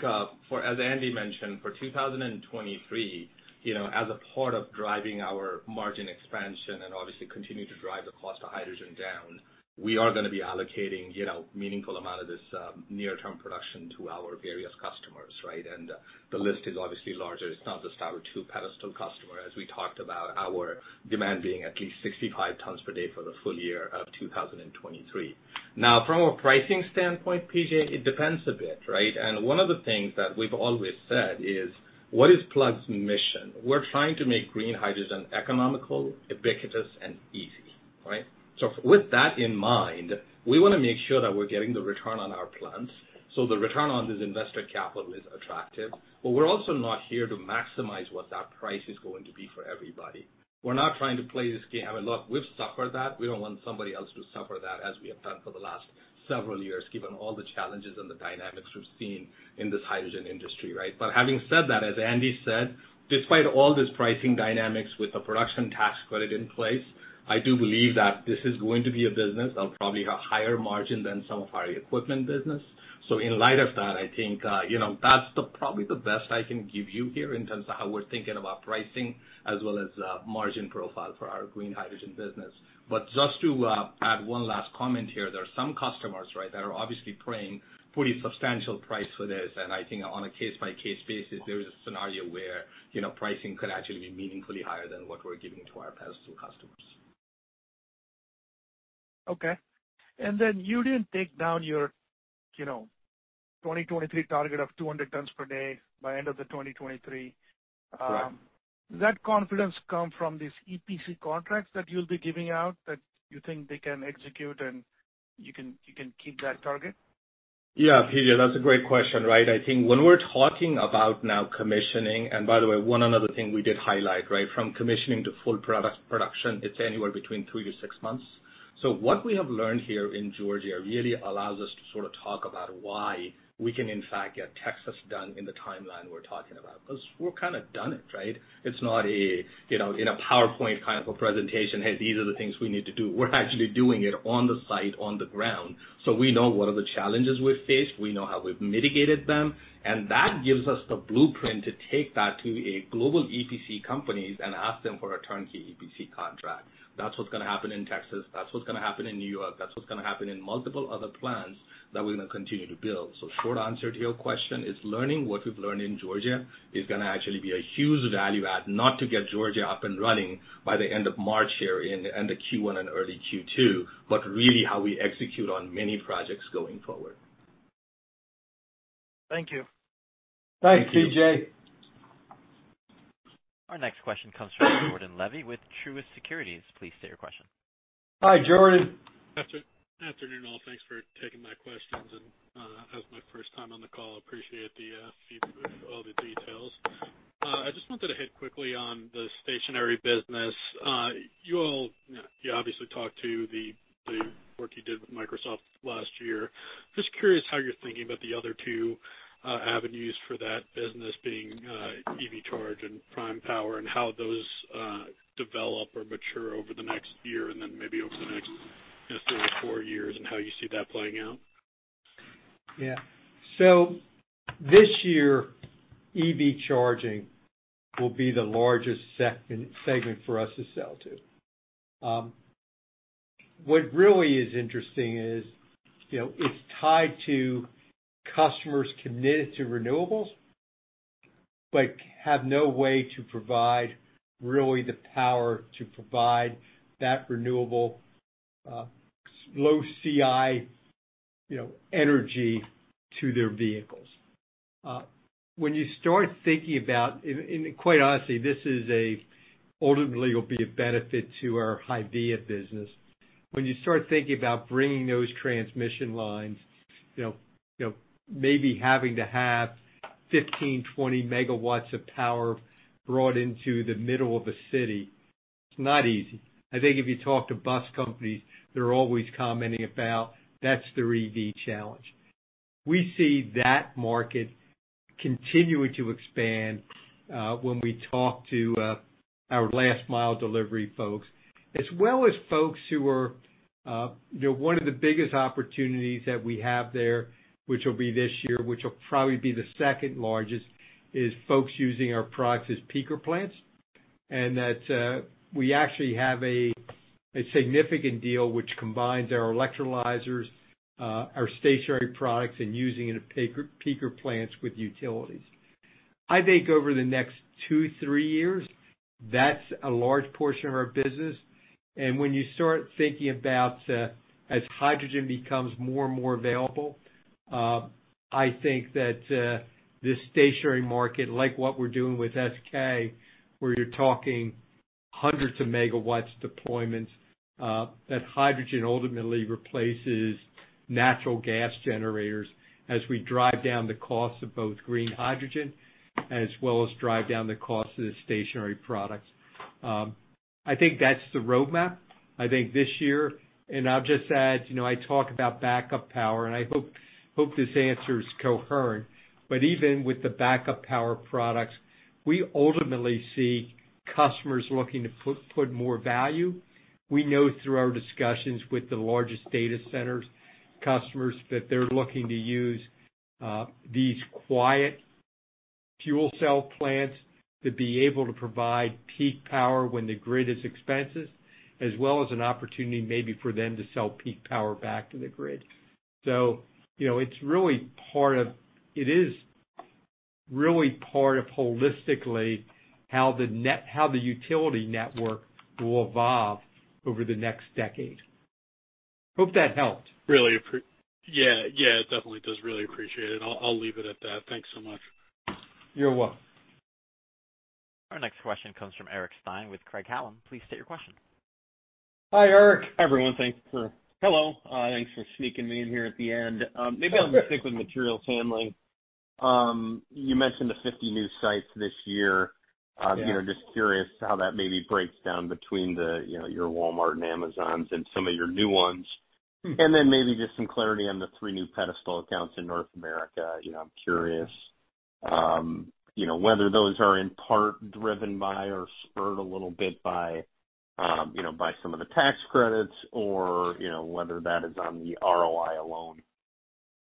for as Andy mentioned, for 2023, you know, as a part of driving our margin expansion and obviously continue to drive the cost of hydrogen down, we are gonna be allocating, you know, meaningful amount of this near-term production to our various customers, right? The list is obviously larger. It's not just our two pedestal customer, as we talked about our demand being at least 65 tons per day for the full year of 2023. Now, from a pricing standpoint, P.J., it depends a bit, right? One of the things that we've always said is, what is Plug's mission? We're trying to make green hydrogen economical, ubiquitous, and easy, right? With that in mind, we wanna make sure that we're getting the return on our plans. The return on this invested capital is attractive, but we're also not here to maximize what that price is gonna be for everybody. We're not trying to play this game. Look, we've suffered that. We don't want somebody else to suffer that as we have done for the last several years, given all the challenges and the dynamics we've seen in this hydrogen industry, right? Having said that, as Andy said, despite all this pricing dynamics with the production tax credit in place, I do believe that this is gonna be a business of probably a higher margin than some of our equipment business. In light of that, I think, you know, that's the probably the best I can give you here in terms of how we're thinking about pricing as well as margin profile for our green hydrogen business. Just to add one last comment here, there are some customers, right, that are obviously paying pretty substantial price for this. I think on a case-by-case basis, there is a scenario where, you know, pricing could actually be meaningfully higher than what we're giving to our pedestal customers. Okay. Then you didn't take down your, you know, 2023 target of 200 tons per day by end of the 2023. Correct. Does that confidence come from these EPC contracts that you'll be giving out, that you think they can execute and you can keep that target? Yeah, P.J., that's a great question, right? I think when we're talking about now commissioning. By the way, one another thing we did highlight, right, from commissioning to full product production, it's anywhere between three to six months. What we have learned here in Georgia really allows us to sort of talk about why we can in fact get Texas done in the timeline we're talking about, 'cause we're kinda done it, right? It's not a, you know, in a PowerPoint kind of a presentation, "Hey, these are the things we need to do." We're actually doing it on the site, on the ground, so we know what are the challenges we face, we know how we've mitigated them. That gives us the blueprint to take that to a global EPC companies and ask them for a turnkey EPC contract. That's what's gonna happen in Texas. That's what's gonna happen in New York. That's what's gonna happen in multiple other plants that we're gonna continue to build. Short answer to your question is learning what we've learned in Georgia is gonna actually be a huge value add, not to get Georgia up and running by the end of March here in the end of Q1 and early Q2, but really how we execute on many projects going forward. Thank you. Thanks, P.J. Our next question comes from Jordan Levy with Truist Securities. Please state your question. Hi, Jordan. Afternoon, all. Thanks for taking my questions. As my first time on the call, appreciate the feed with all the details. I just wanted to hit quickly on the stationary business. You all, you know, you obviously talked to the work you did with Microsoft last year. Just curious how you're thinking about the other two avenues for that business being, EV charge and PrimePower, and how those develop or mature over the next year and then maybe over the next, you know, three to four years and how you see that playing out? This year, EV charging will be the largest segment for us to sell to. What really is interesting is, you know, it's tied to customers committed to renewables. Like have no way to provide really the power to provide that renewable, low CI, you know, energy to their vehicles. Quite honestly, this is a ultimately will be a benefit to our HYVIA business. When you start thinking about bringing those transmission lines, you know, you know, maybe having to have 15 MW, 20 MW of power brought into the middle of a city, it's not easy. I think if you talk to bus companies, they're always commenting about that's their EV challenge. We see that market continuing to expand, when we talk to our last mile delivery folks as well as folks who are, you know. One of the biggest opportunities that we have there, which will be this year, which will probably be the second largest, is folks using our products as peaker plants, and that, we actually have a significant deal which combines our electrolyzers, our stationary products, and using it at peaker plants with utilities. I think over the next two, three years, that's a large portion of our business. When you start thinking about, as hydrogen becomes more and more available, I think that, this stationary market, like what we're doing with SK, where you're talking hundreds of megawatts deployments, that hydrogen ultimately replaces natural gas generators as we drive down the cost of both green hydrogen as well as drive down the cost of the stationary products. I think that's the roadmap. I think this year. I'll just add, you know, I talk about backup power, and I hope this answer is coherent, but even with the backup power products, we ultimately see customers looking to put more value. We know through our discussions with the largest data centers customers that they're looking to use these quiet fuel cell plants to be able to provide peak power when the grid is expensive, as well as an opportunity maybe for them to sell peak power back to the grid. You know, it is really part of holistically how the utility network will evolve over the next decade. Hope that helped. Yeah, yeah, it definitely does. Really appreciate it. I'll leave it at that. Thanks so much. You're welcome. Our next question comes from Eric Stine with Craig-Hallum. Please state your question. Hi, Eric. Hi, everyone. Hello, thanks for sneaking me in here at the end. maybe I'll just stick with materials handling. you mentioned the 50 new sites this year. Yeah. You know, just curious how that maybe breaks down between the, you know, your Walmart and Amazons and some of your new ones. Maybe just some clarity on the three new Pedestal accounts in North America. You know, I'm curious, you know, whether those are in part driven by or spurred a little bit by, you know, by some of the tax credits or, you know, whether that is on the ROI alone?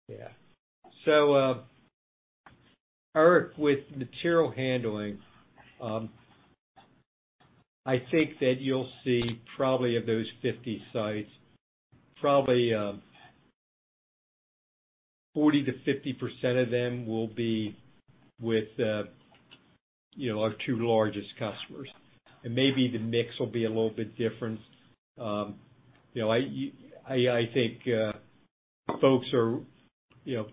Yeah. Eric, with material handling, I think that you'll see probably of those 50 sites, probably, 40%-50% of them will be with, you know, our two largest customers, and maybe the mix will be a little bit different. You know, I think folks are, you know,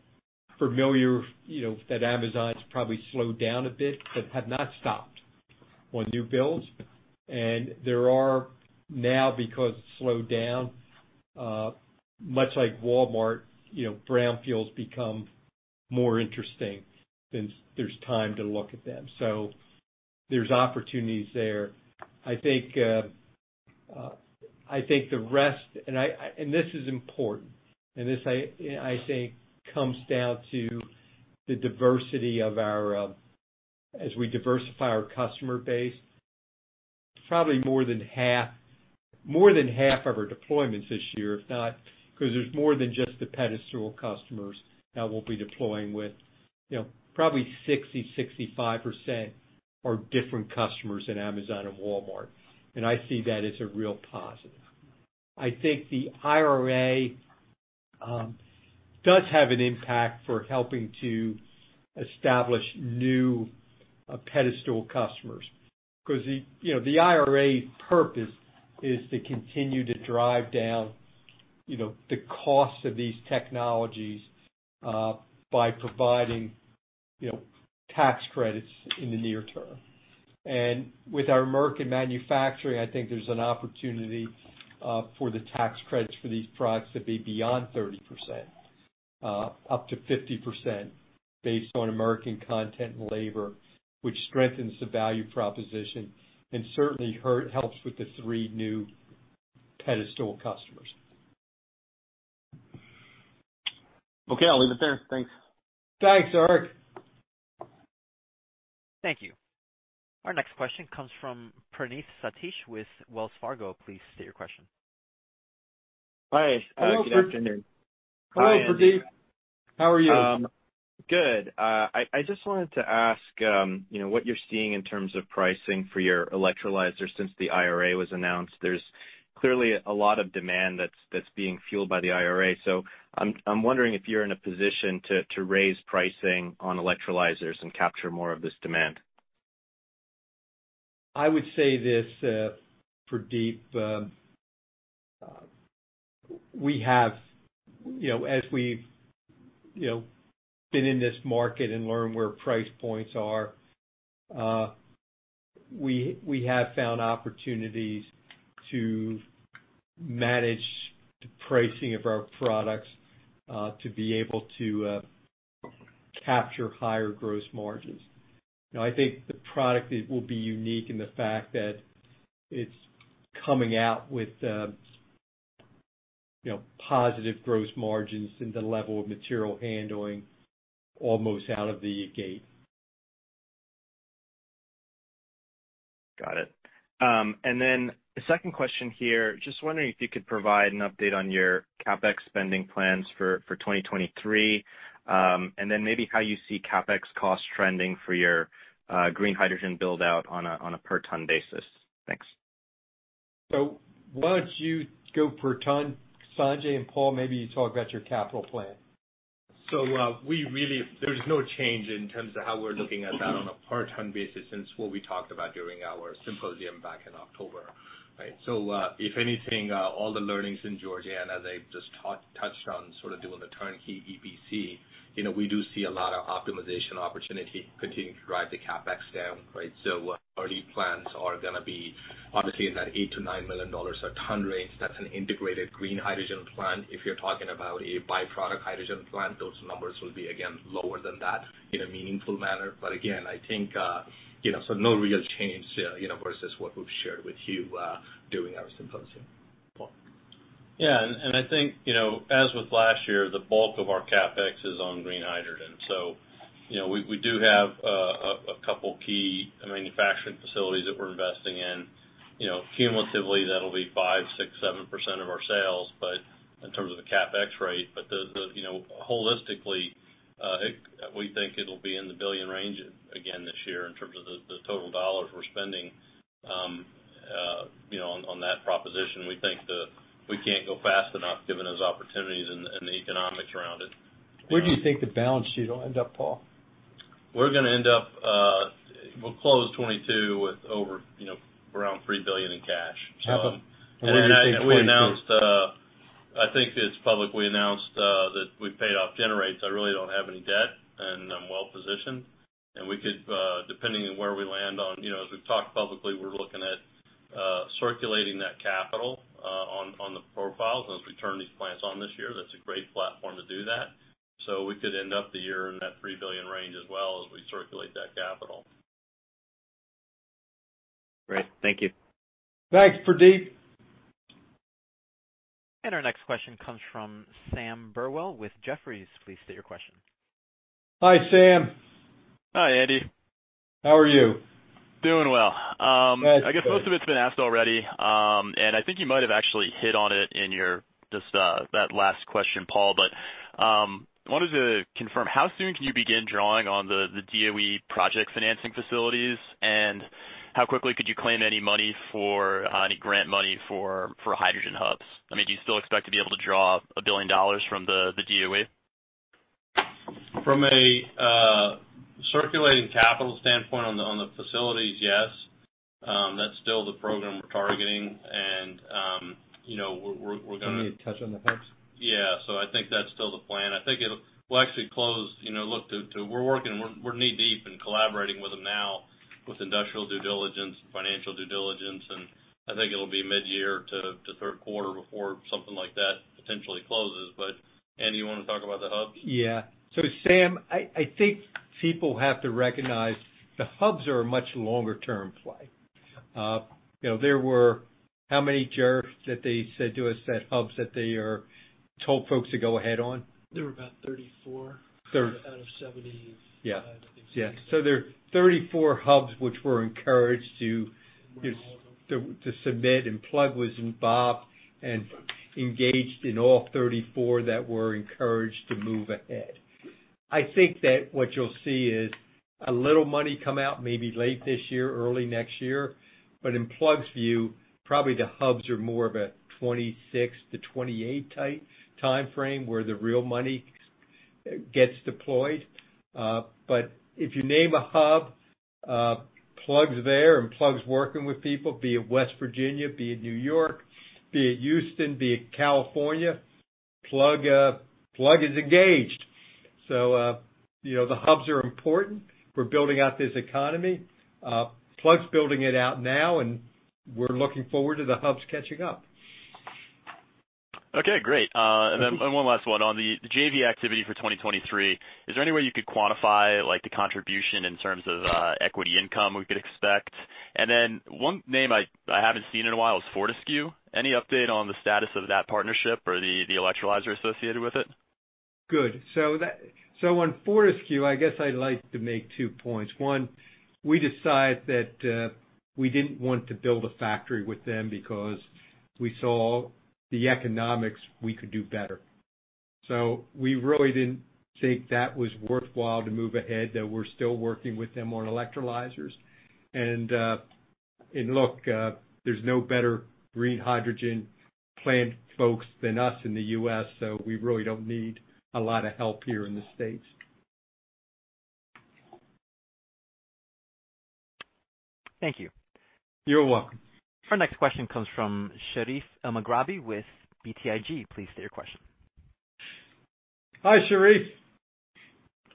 familiar, you know, that Amazon's probably slowed down a bit but have not stopped on new builds. There are now, because it's slowed down, much like Walmart, you know, brownfields become more interesting since there's time to look at them. There's opportunities there. I think, I think the rest. This is important, and this I think comes down to the diversity of our, as we diversify our customer base, probably more than half of our deployments this year, if not, 'cause there's more than just the Pedestal customers that we'll be deploying with, you know, probably 60%-65% are different customers than Amazon and Walmart. I see that as a real positive. I think the IRA does have an impact for helping to establish new Pedestal customers 'cause the, you know, the IRA's purpose is to continue to drive down, you know, the cost of these technologies by providing, you know, tax credits in the near term. With our American manufacturing, I think there's an opportunity for the tax credits for these products to be beyond 30%, up to 50% based on American content and labor, which strengthens the value proposition and certainly helps with the three new Pedestal customers. Okay, I'll leave it there. Thanks. Thanks, Eric. Thank you. Our next question comes from Praneeth Satish with Wells Fargo. Please state your question. Hi. Hello, Praneeth. Good afternoon. Hi. Hello, Praneeth. How are you? Good. I just wanted to ask, you know, what you're seeing in terms of pricing for your electrolyzer since the IRA was announced. There's clearly a lot of demand that's being fueled by the IRA, so I'm wondering if you're in a position to raise pricing on electrolyzers and capture more of this demand. I would say this, Praneeth, we have, you know, as we've, you know, been in this market and learned where price points are, we have found opportunities to manage the pricing of our products, to be able to capture higher gross margins. Now, I think the product it will be unique in the fact that it's coming out with, you know, positive gross margins and the level of material handling almost out of the gate. Got it. Then the second question here, just wondering if you could provide an update on your CapEx spending plans for 2023, and then maybe how you see CapEx costs trending for your green hydrogen build-out on a per ton basis? Thanks. Why don't you go per ton, Sanjay, and Paul, maybe you talk about your capital plan. We really there's no change in terms of how we're looking at that on a per ton basis since what we talked about during our symposium back in October, right? If anything, all the learnings in Georgia, and as I just touched on, sort of doing the turnkey EPC, you know, we do see a lot of optimization opportunity continuing to drive the CapEx down, right? Our lead plans are gonna be obviously in that $8 million-$9 million a ton range. That's an integrated green hydrogen plant. If you're talking about a byproduct hydrogen plant, those numbers will be, again, lower than that in a meaningful manner. Again, I think, you know, no real change, you know, versus what we've shared with you during our symposium. Paul. I think, you know, as with last year, the bulk of our CapEx is on green hydrogen. You know, we do have a couple key manufacturing facilities that we're investing in. You know, cumulatively, that'll be 5%, 6%, 7% of our sales, but in terms of the CapEx rate. The, you know, holistically, we think it'll be in the $1 billion range again this year in terms of the total dollars we're spending, you know, on that proposition. We think that we can't go fast enough given those opportunities and the economics around it. Where do you think the balance sheet will end up, Paul? We're gonna end up, we'll close 2022 with over, you know, around $3 billion in cash. We announced, I think it's publicly announced, that we've paid off Generate I really don't have any debt. I'm well positioned. We could, depending on where we land on, you know, as we've talked publicly, we're looking at circulating that capital on the profiles. As we turn these plants on this year, that's a great platform to do that. We could end up the year in that $3 billion range as well as we circulate that capital. Great. Thank you. Thanks, Praneeth. Our next question comes from Sam Burwell with Jefferies. Please state your question. Hi, Sam. Hi, Andy. How are you? Doing well. That's good. I guess most of it's been asked already, and I think you might have actually hit on it in your just that last question, Paul. Wanted to confirm, how soon can you begin drawing on the DOE project financing facilities, and how quickly could you claim any money for any grant money for hydrogen hubs? I mean, do you still expect to be able to draw $1 billion from the DOE? From a circulating capital standpoint on the facilities, yes, that's still the program we're targeting. You know, we're gonna. Do you want me to touch on the hubs? Yeah. I think that's still the plan. We'll actually close, you know. Look, to we're working, we're knee-deep in collaborating with them now with industrial due diligence, financial due diligence, and I think it'll be mid-year to third quarter before something like that potentially closes. Andy, you wanna talk about the hubs? Yeah. Sam, I think people have to recognize the hubs are a much longer-term play. you know, there were how many, Jer, that they said to us at hubs that they are told folks to go ahead on? There were about 34 out of 75, I think. Yeah. There are 34 hubs which we're encouraged to submit, Plug was involved and engaged in all 34 that were encouraged to move ahead. I think that what you'll see is a little money come out maybe late this year, early next year. In Plug's view, probably the hubs are more of a 2026-2028 timeframe where the real money gets deployed. If you name a hub, Plug's there and Plug's working with people, be it West Virginia, be it New York, be it Houston, be it California, Plug is engaged. You know, the hubs are important. We're building out this economy. Plug's building it out now, and we're looking forward to the hubs catching up. Okay, great. and then one last one on the JV activity for 2023. Is there any way you could quantify, like, the contribution in terms of equity income we could expect? Then one name I haven't seen in a while is Fortescue. Any update on the status of that partnership or the electrolyzer associated with it? Good. On Fortescue, I guess I'd like to make two points. One, we decided that we didn't want to build a factory with them because we saw the economics we could do better. We really didn't think that was worthwhile to move ahead, that we're still working with them on electrolyzers. Look, there's no better green hydrogen plant folks than us in the US. We really don't need a lot of help here in the States. Thank you. You're welcome. Our next question comes from Sherif Elmaghrabi with BTIG. Please state your question. Hi, Sherif.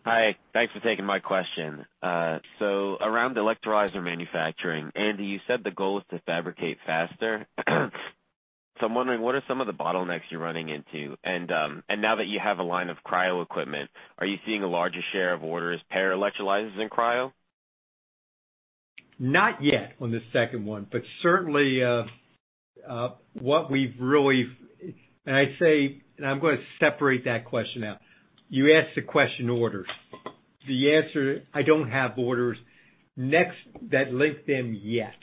Hi. Thanks for taking my question. Around electrolyzer manufacturing, Andy, you said the goal is to fabricate faster. I'm wondering, what are some of the bottlenecks you're running into? Now that you have a line of cryo equipment, are you seeing a larger share of orders, pair electrolyzers than cryo? Not yet on the second one, certainly, I'm gonna separate that question out. You asked the question, orders. The answer, I don't have orders next that link them yet,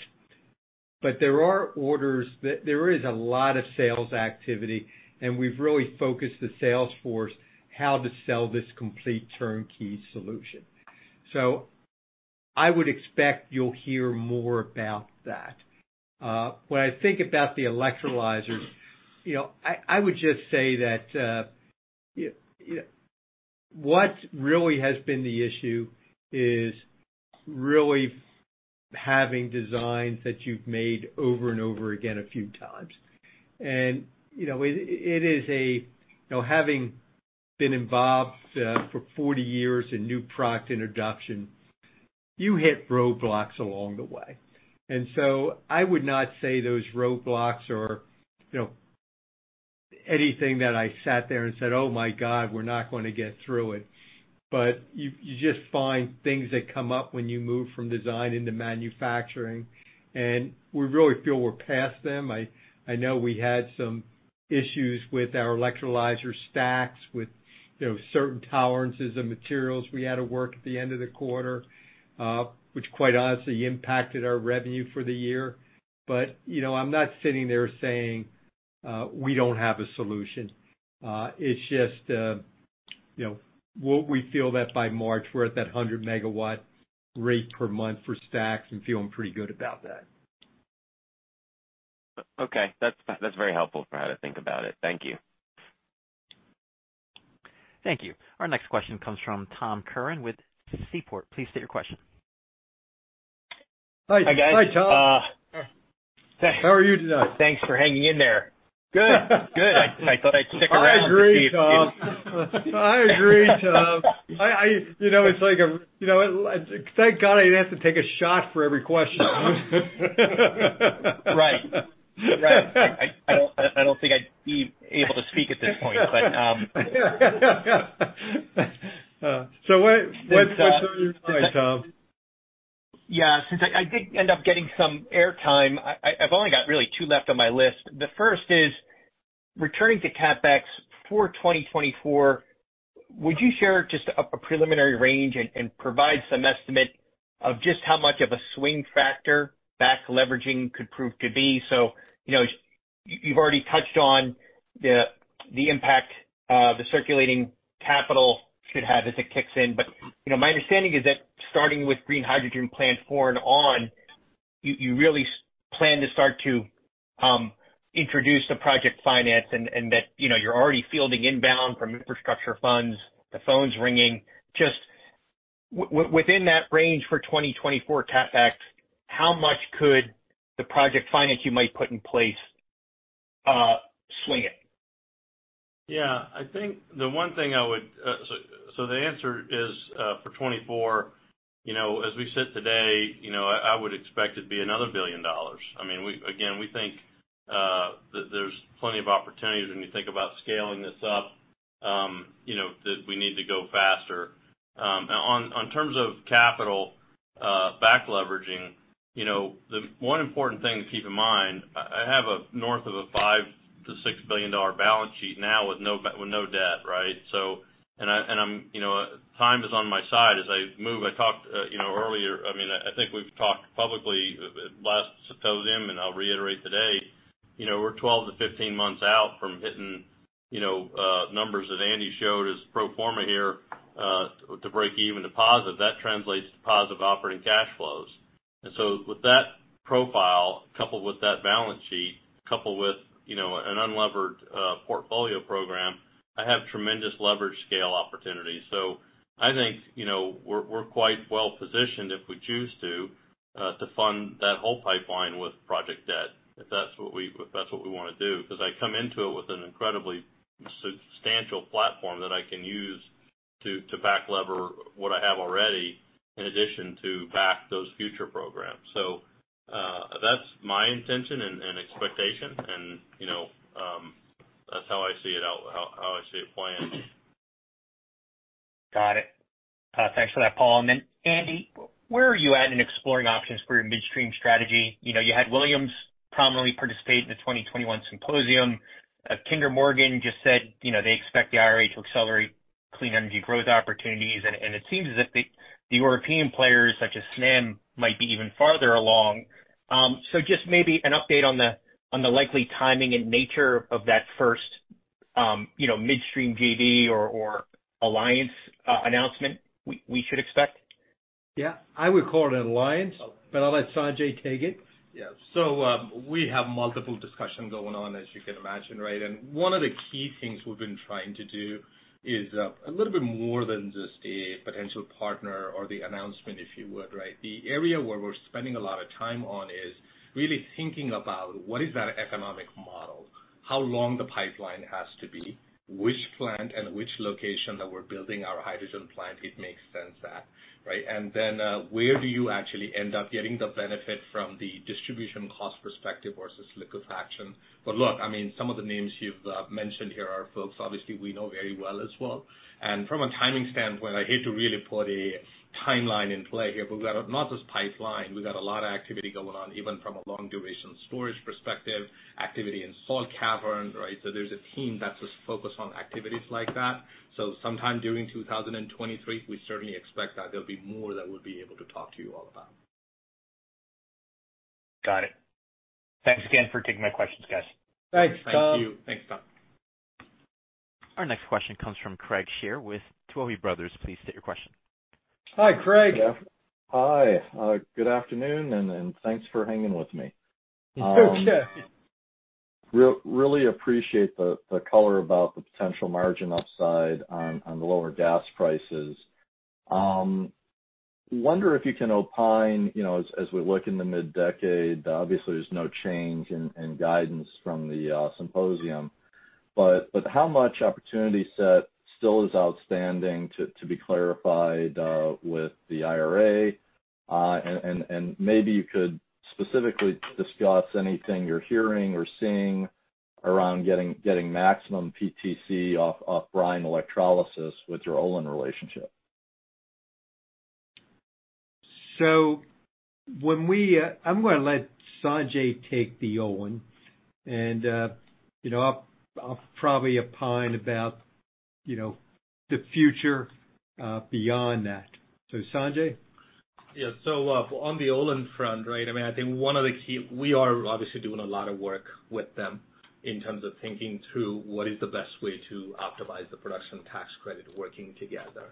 but there are orders that there is a lot of sales activity, and we've really focused the sales force how to sell this complete turnkey solution. I would expect you'll hear more about that. When I think about the electrolyzers, you know, I would just say that, what really has been the issue is really having designs that you've made over and over again a few times. You know, having been involved, for 40 years in new product introduction, you hit roadblocks along the way. I would not say those roadblocks or, you know, anything that I sat there and said, "Oh my god, we're not gonna get through it." You, you just find things that come up when you move from design into manufacturing, and we really feel we're past them. I know we had some issues with our electrolyzer stacks with, you know, certain tolerances of materials we had to work at the end of the quarter, which quite honestly impacted our revenue for the year. You know, I'm not sitting there saying, we don't have a solution. It's just, you know, we feel that by March we're at that 100 megawatt rate per month for stacks and feeling pretty good about that. Okay. That's very helpful for how to think about it. Thank you. Thank you. Our next question comes from Tom Curran with Seaport. Please state your question. Hi. Hi, guys. Hi, Tom. How are you today? Thanks for hanging in there. Good. Good. I thought I'd stick around to see if. I agree, Tom. I, you know, it's like, you know, thank God I didn't have to take a shot for every question. Right. I don't think I'd be able to speak at this point, but. What's. Sorry, Tom. Yeah. Since I did end up getting some airtime, I've only got really two left on my list. The first is, returning to CapEx for 2024, would you share just a preliminary range and provide some estimate of just how much of a swing factor back leveraging could prove to be? You know, you've already touched on the impact of the circulating capital should have as it kicks in. You know, my understanding is that starting with green hydrogen plant 4 and on, you really plan to start to introduce the project finance and that, you know, you're already fielding inbound from infrastructure funds, the phone's ringing. Just within that range for 2024 CapEx, how much could the project finance you might put in place swing it? Yeah. I think the one thing I would. The answer is, for 2024, you know, as we sit today, you know, I would expect it to be another $1 billion. I mean, again, we think that there's plenty of opportunities when you think about scaling this up, you know, that we need to go faster. On terms of capital, back leveraging, you know, the one important thing to keep in mind, I have a north of a $5 billion-$6 billion balance sheet now with no debt, right? And I'm, you know, time is on my side as I move. I talked earlier, I think we've talked publicly last symposium, and I'll reiterate today, we're 12-15 months out from hitting numbers that Andy showed as pro forma here, to break even to positive. That translates to positive operating cash flows. With that profile coupled with that balance sheet, coupled with an unlevered portfolio program, I have tremendous leverage scale opportunities. I think we're quite well-positioned if we choose to fund that whole pipeline with project debt, if that's what we wanna do. I come into it with an incredibly substantial platform that I can use to back lever what I have already, in addition to back those future programs. That's my intention and expectation and, you know, that's how I see it playing. Got it. Thanks for that, Paul. Then Andy, where are you at in exploring options for your midstream strategy? You know, you had Williams prominently participate in the 2021 symposium. Kinder Morgan just said, you know, they expect the IRA to accelerate clean energy growth opportunities, and it seems as if the European players, such as Snam, might be even farther along. So just maybe an update on the likely timing and nature of that first, you know, midstream JV or alliance announcement we should expect. Yeah, I would call it an alliance, but I'll let Sanjay take it. We have multiple discussions going on, as you can imagine, right? One of the key things we've been trying to do is a little bit more than just a potential partner or the announcement, if you would, right? The area where we're spending a lot of time on is really thinking about what is that economic model, how long the pipeline has to be, which plant and which location that we're building our hydrogen plant, it makes sense at, right? Where do you actually end up getting the benefit from the distribution cost perspective versus liquefaction. Look, I mean, some of the names you've mentioned here are folks obviously we know very well as well. From a timing standpoint, I hate to really put a timeline in play here, but we've got not just pipeline, we've got a lot of activity going on, even from a long-duration storage perspective, activity in salt cavern, right? There's a team that's just focused on activities like that. Sometime during 2023, we certainly expect that there'll be more that we'll be able to talk to you all about. Got it. Thanks again for taking my questions, guys. Thanks, Tom. Thank you. Thanks, Tom. Our next question comes from Craig Shere with Tuohy Brothers. Please state your question. Hi, Craig. Hi. good afternoon, and thanks for hanging with me. Okay. Really appreciate the color about the potential margin upside on the lower gas prices. Wonder if you can opine, you know, as we look in the mid-decade, obviously there's no change in guidance from the symposium, but how much opportunity set still is outstanding to be clarified with the IRA? Maybe you could specifically discuss anything you're hearing or seeing around getting maximum PTC off brine electrolysis with your Olin relationship. I'm gonna let Sanjay take the Olin and, you know, I'll probably opine about, you know, the future, beyond that. Sanjay. On the Olin front, right? I mean, We are obviously doing a lot of work with them in terms of thinking through what is the best way to optimize the production tax credit working together.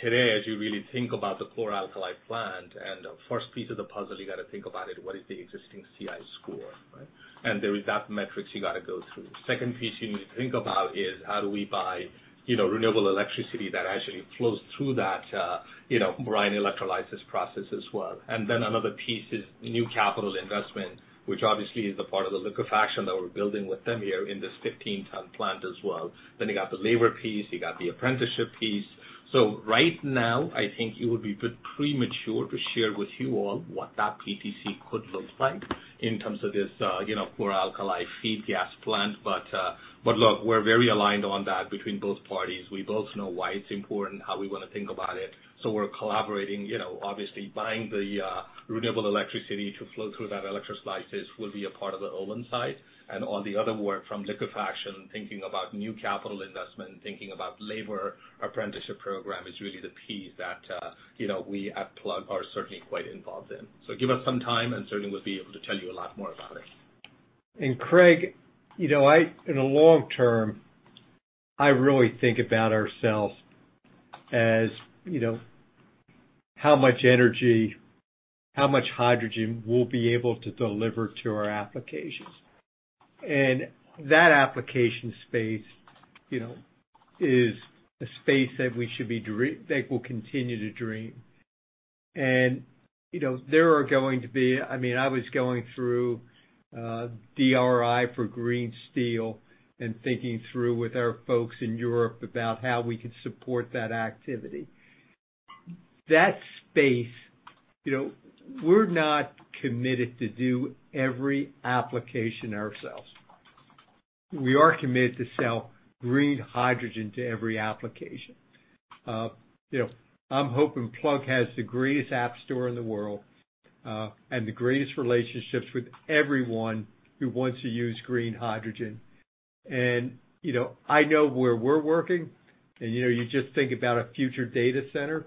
Today, as you really think about the chlor-alkali plant and the first piece of the puzzle, you gotta think about it, what is the existing CI score, right? There is that metrics you gotta go through. Second piece you need to think about is how do we buy, you know, renewable electricity that actually flows through that, you know, brine electrolysis process as well. Another piece is new capital investment, which obviously is the part of the liquefaction that we're building with them here in this 15-ton plant as well. You got the labor piece, you got the apprenticeship piece. Right now, I think it would be premature to share with you all what that PTC could look like in terms of this, you know, chlor-alkali feed gas plant. Look, we're very aligned on that between both parties. We both know why it's important, how we wanna think about it, we're collaborating. You know, obviously buying the renewable electricity to flow through that electrolysis will be a part of the Olin side. All the other work from liquefaction, thinking about new capital investment, thinking about labor apprenticeship program is really the piece that, you know, we at Plug are certainly quite involved in. Give us some time, and certainly we'll be able to tell you a lot more about it. Craig, you know, in the long term, I really think about ourselves as, you know, how much energy, how much hydrogen we'll be able to deliver to our applications. That application space, you know, is a space that we'll continue to dream. You know, there are going to be I mean, I was going through DRI for green steel and thinking through with our folks in Europe about how we could support that activity. That space, you know, we're not committed to do every application ourselves. We are committed to sell green hydrogen to every application. You know, I'm hoping Plug has the greatest app store in the world, and the greatest relationships with everyone who wants to use green hydrogen. You know, I know where we're working, you know, you just think about a future data center.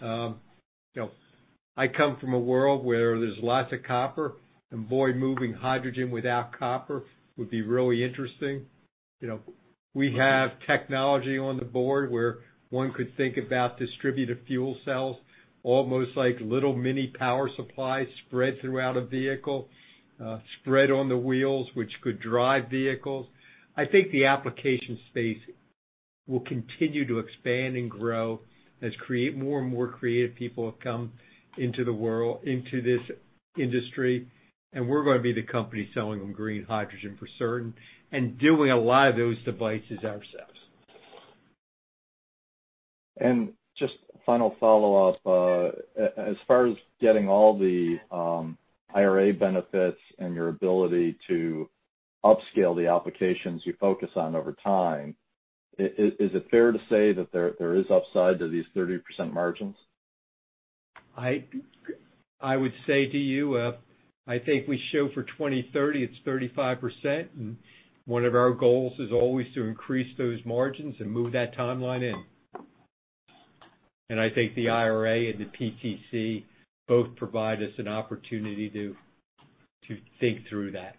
You know, I come from a world where there's lots of copper, boy, moving hydrogen without copper would be really interesting. You know, we have technology on the board where one could think about distributive fuel cells, almost like little mini power supplies spread throughout a vehicle, spread on the wheels, which could drive vehicles. I think the application space will continue to expand and grow as more and more creative people have come into the world, into this industry, and we're gonna be the company selling them green hydrogen for certain and doing a lot of those devices ourselves. Just a final follow-up. As far as getting all the IRA benefits and your ability to upscale the applications you focus on over time, is it fair to say that there is upside to these 30% margins? I would say to you, I think we show for 2030, it's 35%. One of our goals is always to increase those margins and move that timeline in. I think the IRA and the PTC both provide us an opportunity to think through that.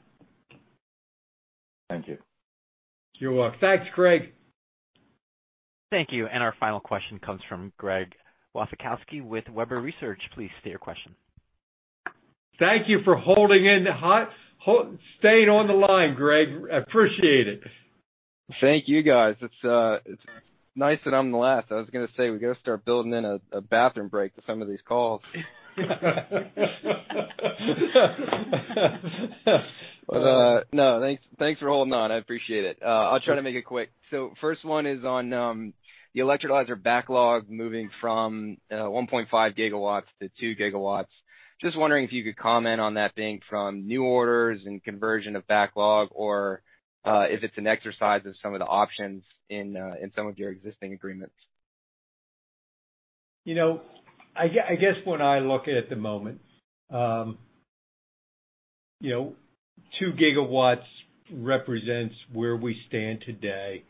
Thank you. You're welcome. Thanks, Craig. Thank you. Our final question comes from Greg Wasikowski with Webber Research. Please state your question. Thank you for holding staying on the line, Greg. Appreciate it. Thank you, guys. It's, it's nice that I'm the last. I was gonna say we gotta start building in a bathroom break to some of these calls. No, thanks for holding on. I appreciate it. I'll try to make it quick. First one is on the electrolyzer backlog moving from 1.5 GW to 2 GW. Just wondering if you could comment on that being from new orders and conversion of backlog or if it's an exercise of some of the options in some of your existing agreements. You know, I guess when I look at it at the moment, you know, 2 GW represents where we stand today.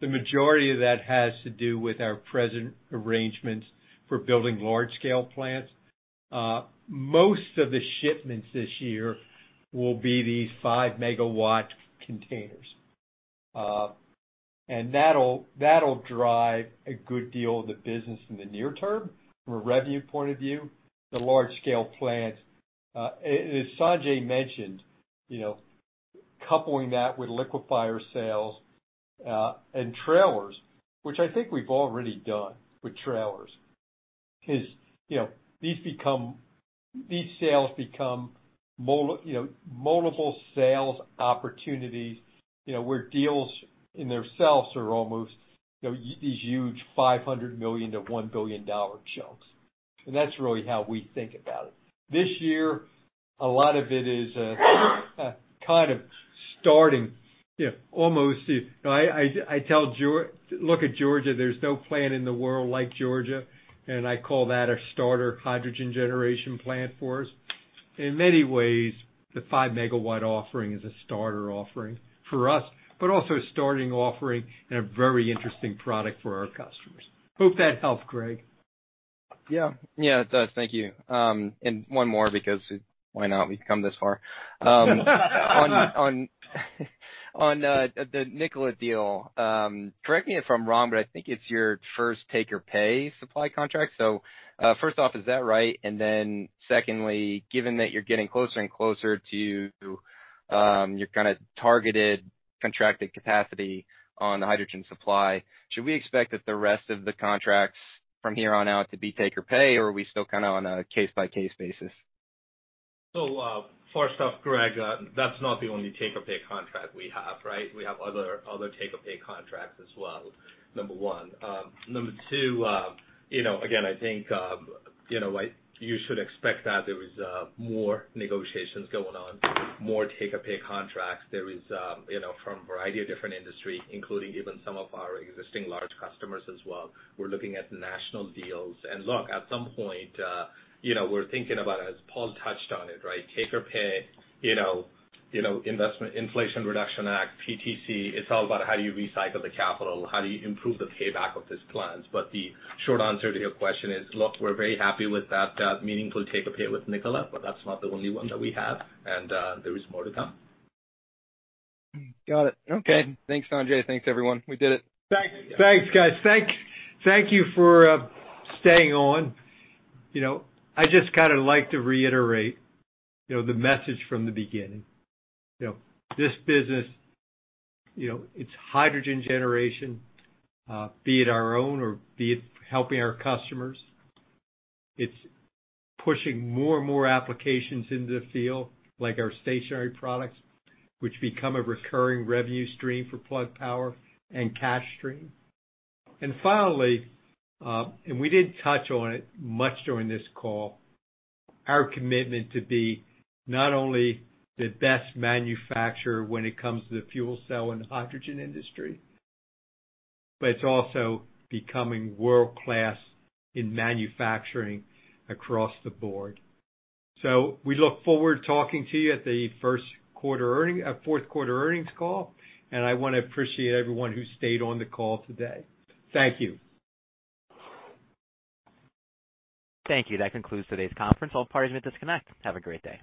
The majority of that has to do with our present arrangements for building large scale plants. Most of the shipments this year will be these 5-MW containers. That'll, that'll drive a good deal of the business in the near term from a revenue point of view, the large scale plants. As Sanjay mentioned, you know, coupling that with liquefier sales, and trailers, which I think we've already done with trailers, is, you know, these sales become, you know, multiple sales opportunities, you know, where deals in theirselves are almost, you know, these huge $500 million-$1 billion chunks. That's really how we think about it. This year, a lot of it is, kind of starting, you know, almost, you know, Look at Georgia, there's no plant in the world like Georgia. I call that a starter hydrogen generation plant for us. In many ways, the 5 megawatt offering is a starter offering for us. Also, a starting offering and a very interesting product for our customers. Hope that helped, Greg. Yeah. Yeah, it does. Thank you. One more because why not? We've come this far. On the Nikola deal, correct me if I'm wrong, I think it's your first take or pay supply contract. First off, is that right? Secondly, given that you're getting closer and closer to your kinda targeted contracted capacity on the hydrogen supply, should we expect that the rest of the contracts from here on out to be take or pay, or are we still kinda on a case-by-case basis? First off, Greg, that's not the only take or pay contract we have, right? We have other take or pay contracts as well, number one. Number two, you know, again, I think, you know, like you should expect that there is more negotiations going on, more take or pay contracts. There is, you know, from a variety of different industry, including even some of our existing large customers as well. We're looking at national deals. Look, at some point, you know, we're thinking about it, as Paul touched on it, right? Take or pay, you know, Inflation Reduction Act, PTC. It's all about how do you recycle the capital, how do you improve the payback of these plans. The short answer to your question is, look, we're very happy with that, meaningful take or pay with Nikola, but that's not the only one that we have. There is more to come. Got it. Okay. Thanks, Sanjay. Thanks, everyone. We did it. Thanks. Thanks, guys. Thank you for staying on. You know, I just kinda like to reiterate, you know, the message from the beginning. You know, this business, you know, it's hydrogen generation, be it our own or be it helping our customers. It's pushing more and more applications into the field, like our stationary products, which become a recurring revenue stream for Plug Power and cash stream. Finally, and we didn't touch on it much during this call, our commitment to be not only the best manufacturer when it comes to the fuel cell and hydrogen industry, but it's also becoming world-class in manufacturing across the board. We look forward to talking to you at the first quarter, at fourth quarter earnings call, and I wanna appreciate everyone who stayed on the call today. Thank you. Thank you. That concludes today's conference. All parties may disconnect. Have a great day.